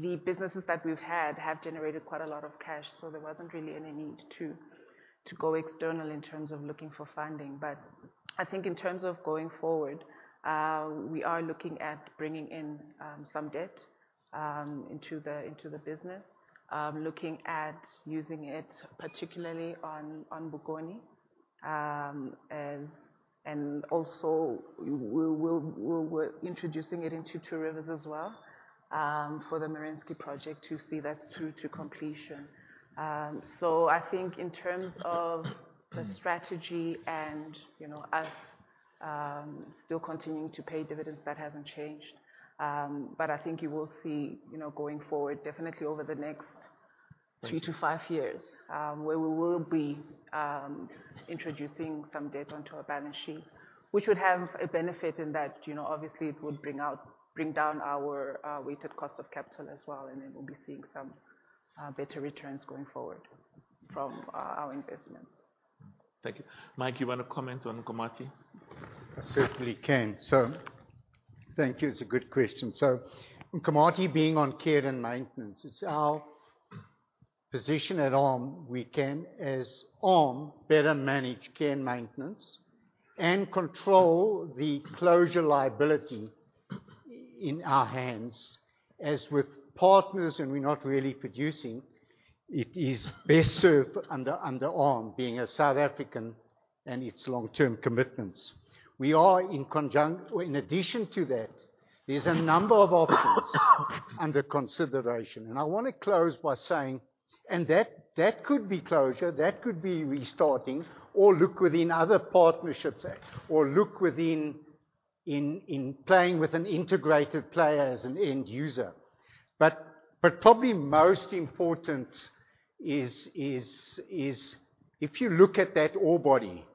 the businesses that we've had have generated quite a lot of cash. So there wasn't really any need to go external in terms of looking for funding. But I think in terms of going forward, we are looking at bringing in some debt into the business, looking at using it particularly on Bokoni, and also, we're introducing it into Two Rivers as well, for the Merensky project to see that's through to completion. So I think in terms of the strategy and, you know, us still continuing to pay dividends, that hasn't changed. But I think you will see, you know, going forward, definitely over the next 3-5 years, where we will be introducing some debt onto our balance sheet, which would have a benefit in that, you know, obviously, it would bring down our weighted cost of capital as well. And then we'll be seeing some better returns going forward from our investments. Thank you. Mike, you want to comment on Nkomati? I certainly can. So thank you. It's a good question. So Nkomati being on care and maintenance, it's our position at ARM, we can, as ARM better manage care and maintenance and control the closure liability in our hands as with partners. And we're not really producing. It is best served under ARM being a South African and its long-term commitments. We are, well, in addition to that, there's a number of options under consideration. And I want to close by saying that could be closure. That could be restarting or look within other partnerships or look within playing with an integrated player as an end user. But probably most important is if you look at that ore body,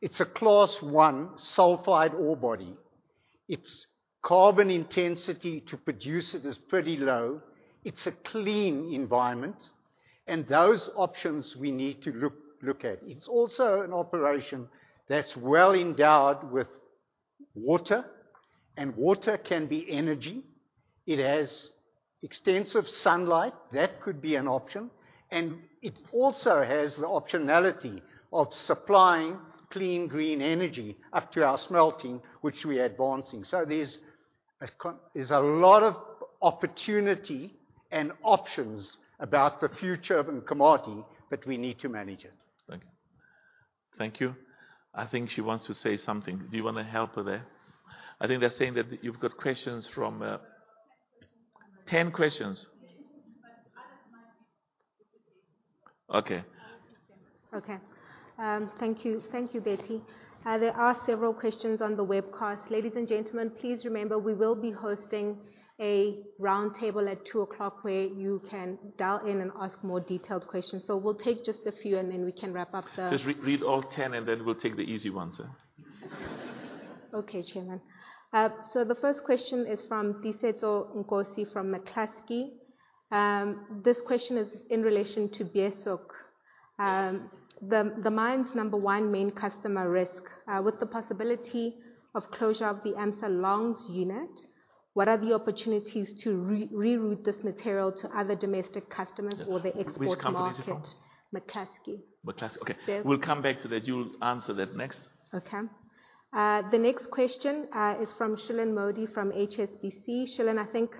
it's a Class I sulfide ore body. It's carbon intensity to produce it is pretty low. It's a clean environment. And those options, we need to look at. It's also an operation that's well endowed with water. And water can be energy. It has extensive sunlight. That could be an option. And it also has the optionality of supplying clean, green energy up to our smelting, which we're advancing. So there's a lot of opportunity and options about the future of Nkomati. But we need to manage it. Thank you. Thank you. I think she wants to say something. Do you want to help her there? I think they're saying that you've got questions from, 10 questions from. 10 questions? Yes. But others might be difficult. Okay. I think so. Okay. Thank you. Thank you, Betty. There are several questions on the webcast. Ladies and gentlemen, please remember, we will be hosting a roundtable at 2:00 P.M. where you can dial in and ask more detailed questions. So we'll take just a few. And then we can wrap up the. Just re-read all 10. Then we'll take the easy ones. Okay, Chairman. So the first question is from Disetzo Ngosi from McCloskey. This question is in relation to Beeshoek. The mine's number one main customer risk, with the possibility of closure of the AMSA longs unit, what are the opportunities to re-reroute this material to other domestic customers or the export market? Which company is it from? McCloskey. McCloskey. Okay. There's. We'll come back to that. You'll answer that next. Okay. The next question is from Shilan Modi from HSBC. Shilan, I think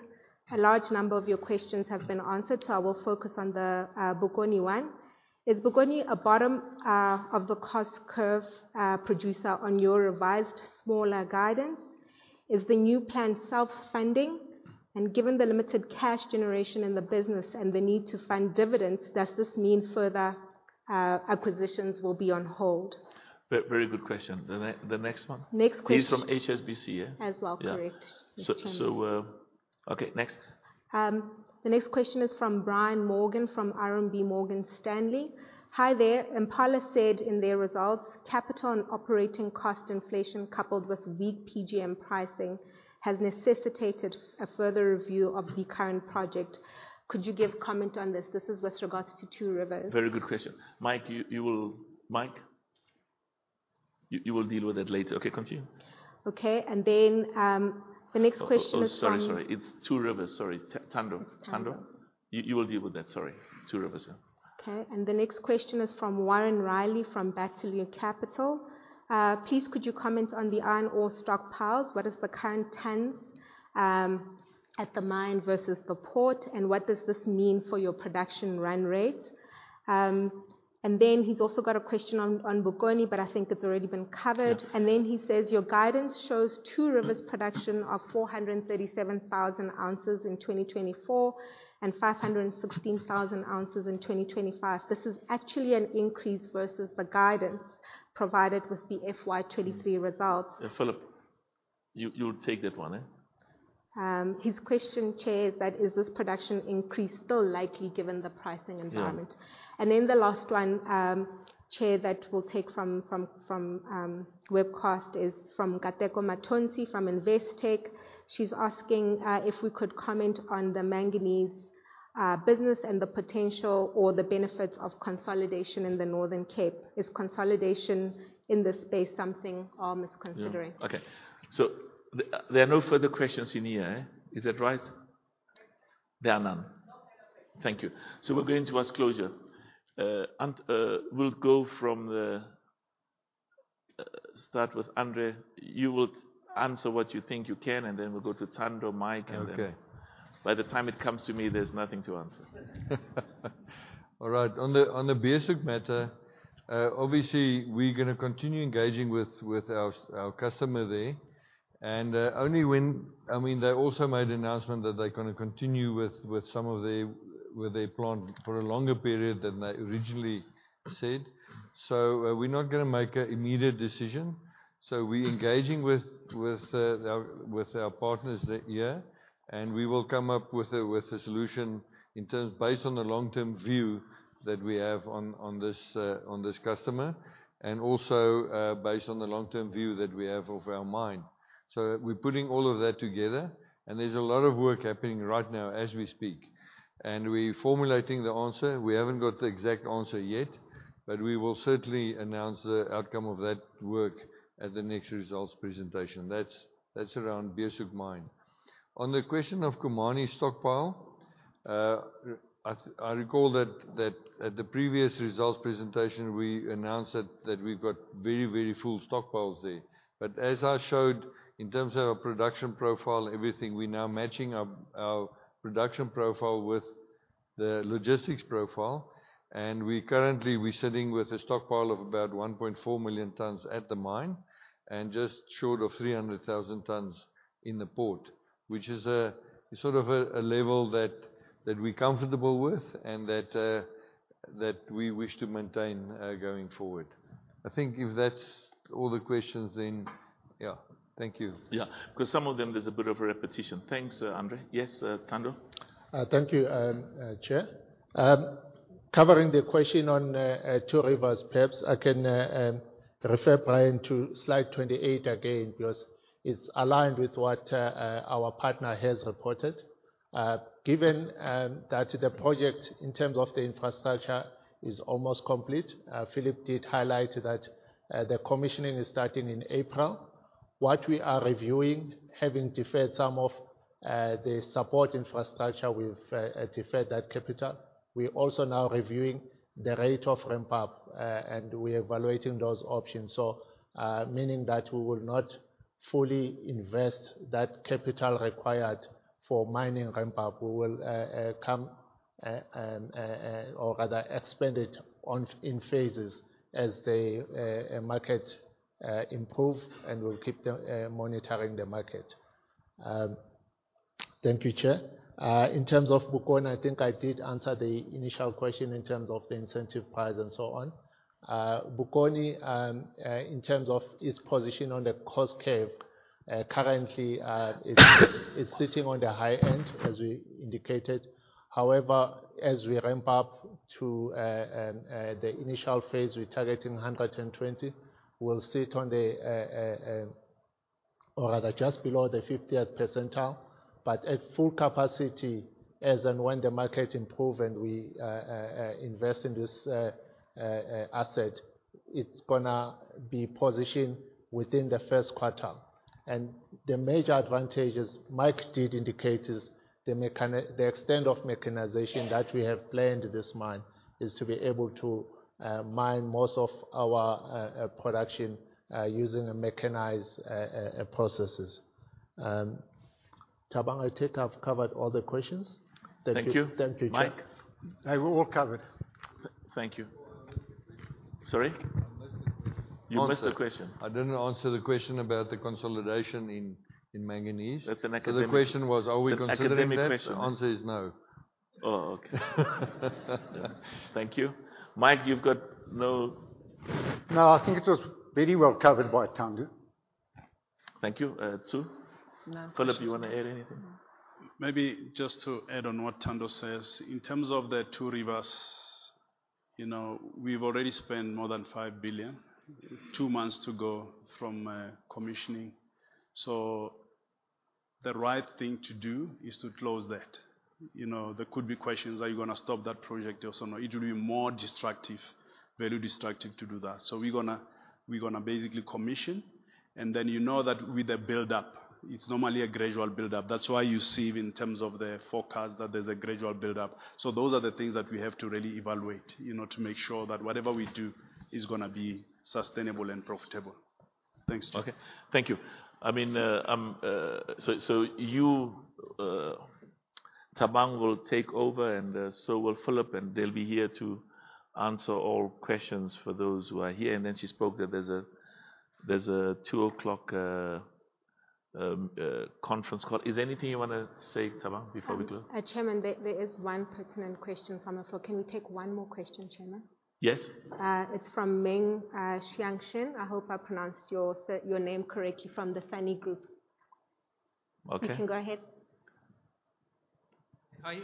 a large number of your questions have been answered. So I will focus on the Bokoni one. Is Bokoni a bottom of the cost curve producer on your revised smaller guidance? Is the new plan self-funding? And given the limited cash generation in the business and the need to fund dividends, does this mean further acquisitions will be on hold? Very good question. The next one? Next question. He's from HSBC, As well, correct. Yes, Chairman. So, okay. Next. The next question is from Brian Morgan from RMB Morgan Stanley. Hi there. Impala said in their results, capital and operating cost inflation coupled with weak PGM pricing has necessitated a further review of the current project. Could you give comment on this? This is with regards to Two Rivers. Very good question. Mike, you will deal with that later. Okay. Continue. Okay. The next question is from. Oh, sorry, sorry. It's Two Rivers. Sorry. Thando. It's Tando. Thando? You, you will deal with that. Sorry. Two Rivers, yeah. Okay. And the next question is from Warren Riley from Bateleur Capital. Please, could you comment on the iron ore stockpiles? What is the current tons at the mine versus the port? And what does this mean for your production run rates? And then he's also got a question on Bokoni. But I think it's already been covered. And then he says, "Your guidance shows Two Rivers production of 437,000 ounces in 2024 and 516,000 ounces in 2025. This is actually an increase versus the guidance provided with the FY23 results. Yeah, Phillip, you, you'll take that one. His question, Chair, is that, "Is this production increase still likely given the pricing environment? Yeah. And then the last one, Chair, that we'll take from webcast is from Kateko Matonsi from Investec. She's asking if we could comment on the manganese business and the potential or the benefits of consolidation in the Northern Cape. Is consolidation in this space something ARM is considering? Yeah. Okay. So there are no further questions in here, is that right? There are none. Thank you. So we're going towards closure. And we'll go from the start with Andre. You will answer what you think you can. And then we'll go to Thando, Mike, and then. Okay. By the time it comes to me, there's nothing to answer. All right. On the Beeshoek matter, obviously, we're going to continue engaging with our customer there. And, I mean, they also made an announcement that they're going to continue with some of their plant for a longer period than they originally said. So, we're not going to make an immediate decision. So we're engaging with our partners there. And we will come up with a solution in terms based on the long-term view that we have on this customer and also, based on the long-term view that we have of our mine. So we're putting all of that together. And there's a lot of work happening right now as we speak. And we're formulating the answer. We haven't got the exact answer yet. But we will certainly announce the outcome of that work at the next results presentation. That's around Beeshoek mine. On the question of Khumani stockpile, I recall that at the previous results presentation, we announced that we've got very, very full stockpiles there. But as I showed in terms of our production profile and everything, we're now matching our production profile with the logistics profile. And we're currently sitting with a stockpile of about 1.4 million tons at the mine and just short of 300,000 tons in the port, which is sort of a level that we're comfortable with and that we wish to maintain, going forward. I think if that's all the questions, then, yeah. Thank you. Yeah. Because some of them, there's a bit of a repetition. Thanks, Andre. Yes, Thando? Thank you, Chair. Covering the question on Two Rivers PGMs, I can refer Brian to slide 28 again because it's aligned with what our partner has reported. Given that the project in terms of the infrastructure is almost complete, Phillip did highlight that the commissioning is starting in April. What we are reviewing, having deferred some of the support infrastructure, we've deferred that capital. We're also now reviewing the rate of ramp-up. And we're evaluating those options. So, meaning that we will not fully invest that capital required for mining ramp-up. We will come, or rather expand it on in phases as the market improves. And we'll keep monitoring the market. Thank you, Chair. In terms of Bokoni, I think I did answer the initial question in terms of the incentive price and so on. Bokoni, in terms of its position on the cost curve, currently, it's sitting on the high end as we indicated. However, as we ramp up to the initial phase, we're targeting 120. We'll sit on the, or rather just below the 50th percentile. But at full capacity, as and when the market improve and we invest in this asset, it's going to be positioned within the first quarter. And the major advantages, Mike did indicate, is the mechanization, the extent of mechanization that we have planned. This mine is to be able to mine most of our production using mechanized processes. Thabang, I think I've covered all the questions. Thank you. Thank you. Thank you, Chair. Mike, I've all covered. Thank you. Sorry? You missed the question. I didn't answer the question about the consolidation in manganese. That's an academic. So the question was, "Are we considering?" That's an academic question. The answer is no. Oh, okay. Thank you. Mike, you've got no? No, I think it was very well covered by Thando. Thank you. Tsu? No. Phillip, you want to add anything? Maybe just to add on what Thando says. In terms of the Two Rivers, you know, we've already spent more than 5 billion. 2 months to go from commissioning. So the right thing to do is to close that. You know, there could be questions, "Are you going to stop that project or so?" No. It will be more destructive, very destructive to do that. So we're going to we're going to basically commission. And then you know that with the buildup, it's normally a gradual buildup. That's why you see in terms of the forecast that there's a gradual buildup. So those are the things that we have to really evaluate, you know, to make sure that whatever we do is going to be sustainable and profitable. Thanks, Chair. Okay. Thank you. I mean, so you, Thabang will take over. So will Phillip. And they'll be here to answer all questions for those who are here. And then she spoke that there's a 2 o'clock conference call. Is there anything you want to say, Thabang, before we close? Chairman, there is one pertinent question from afar. Can we take one more question, Chairman? Yes. It's from Meng, Xiangshen. I hope I pronounced your name correctly from the Sunny Group. Okay. You can go ahead. Hi.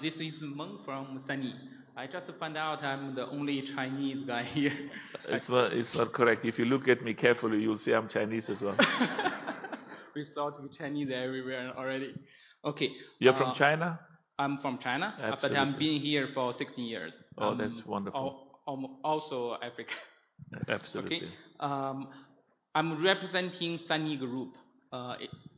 This is Meng from Sany. I just found out I'm the only Chinese guy here. It's all correct. If you look at me carefully, you'll see I'm Chinese as well. We start with Chinese everywhere already. Okay. You're from China? I'm from China. Absolutely. I've been here for 16 years. Oh, that's wonderful. Almost also Africa. Absolutely. Okay. I'm representing Sany Group.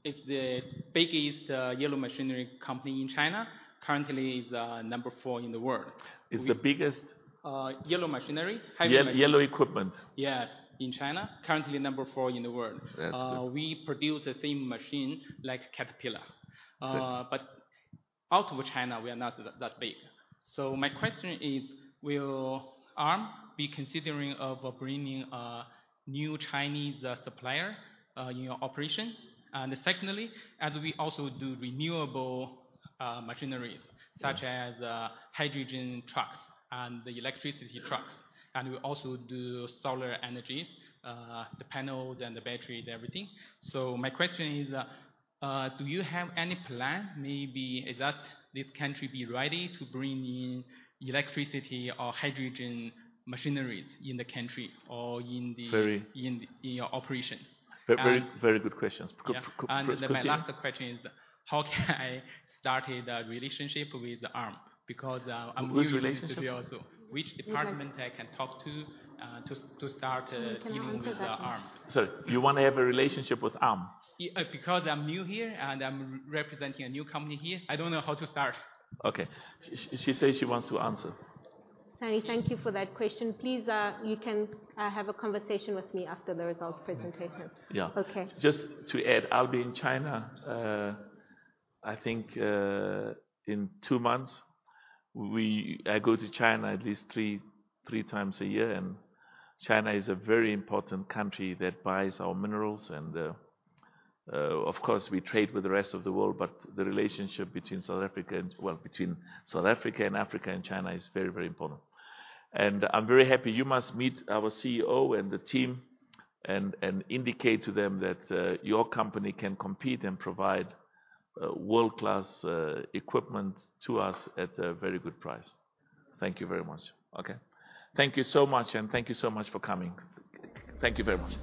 It's the biggest, yellow machinery company in China. Currently, it's the number 4 in the world. Is the biggest? Yellow machinery, heavy machinery. Yellow equipment. Yes, in China. Currently, number 4 in the world. That's good. We produce the same machine like Caterpillar, but out of China. We are not that big. So my question is, will ARM be considering of bringing a new Chinese supplier in your operation? And secondly, as we also do renewable machinery such as hydrogen trucks and the electricity trucks. And we also do solar energies, the panels and the batteries and everything. So my question is, do you have any plan? Maybe, is this country ready to bring in electricity or hydrogen machineries in the country or in the. Very. In your operation? Very, very good questions. And then. Then my last question is, how can I start a relationship with ARM? Because I'm using this video also. Which relationship? Which department I can talk to to start dealing with ARM? Sorry. You want to have a relationship with ARM? Because I'm new here. I'm representing a new company here. I don't know how to start. Okay. She says she wants to answer. Sunny, thank you for that question. Please, you can, have a conversation with me after the results presentation. Yeah. Okay. Just to add, I'll be in China, I think, in two months. I go to China at least three times a year. And China is a very important country that buys our minerals. And, of course, we trade with the rest of the world. But the relationship between South Africa and well, between South Africa and Africa and China is very, very important. And I'm very happy. You must meet our CEO and the team and indicate to them that your company can compete and provide world-class equipment to us at a very good price. Thank you very much, Chair. Okay. Thank you so much, Chair. And thank you so much for coming. Thank you very much.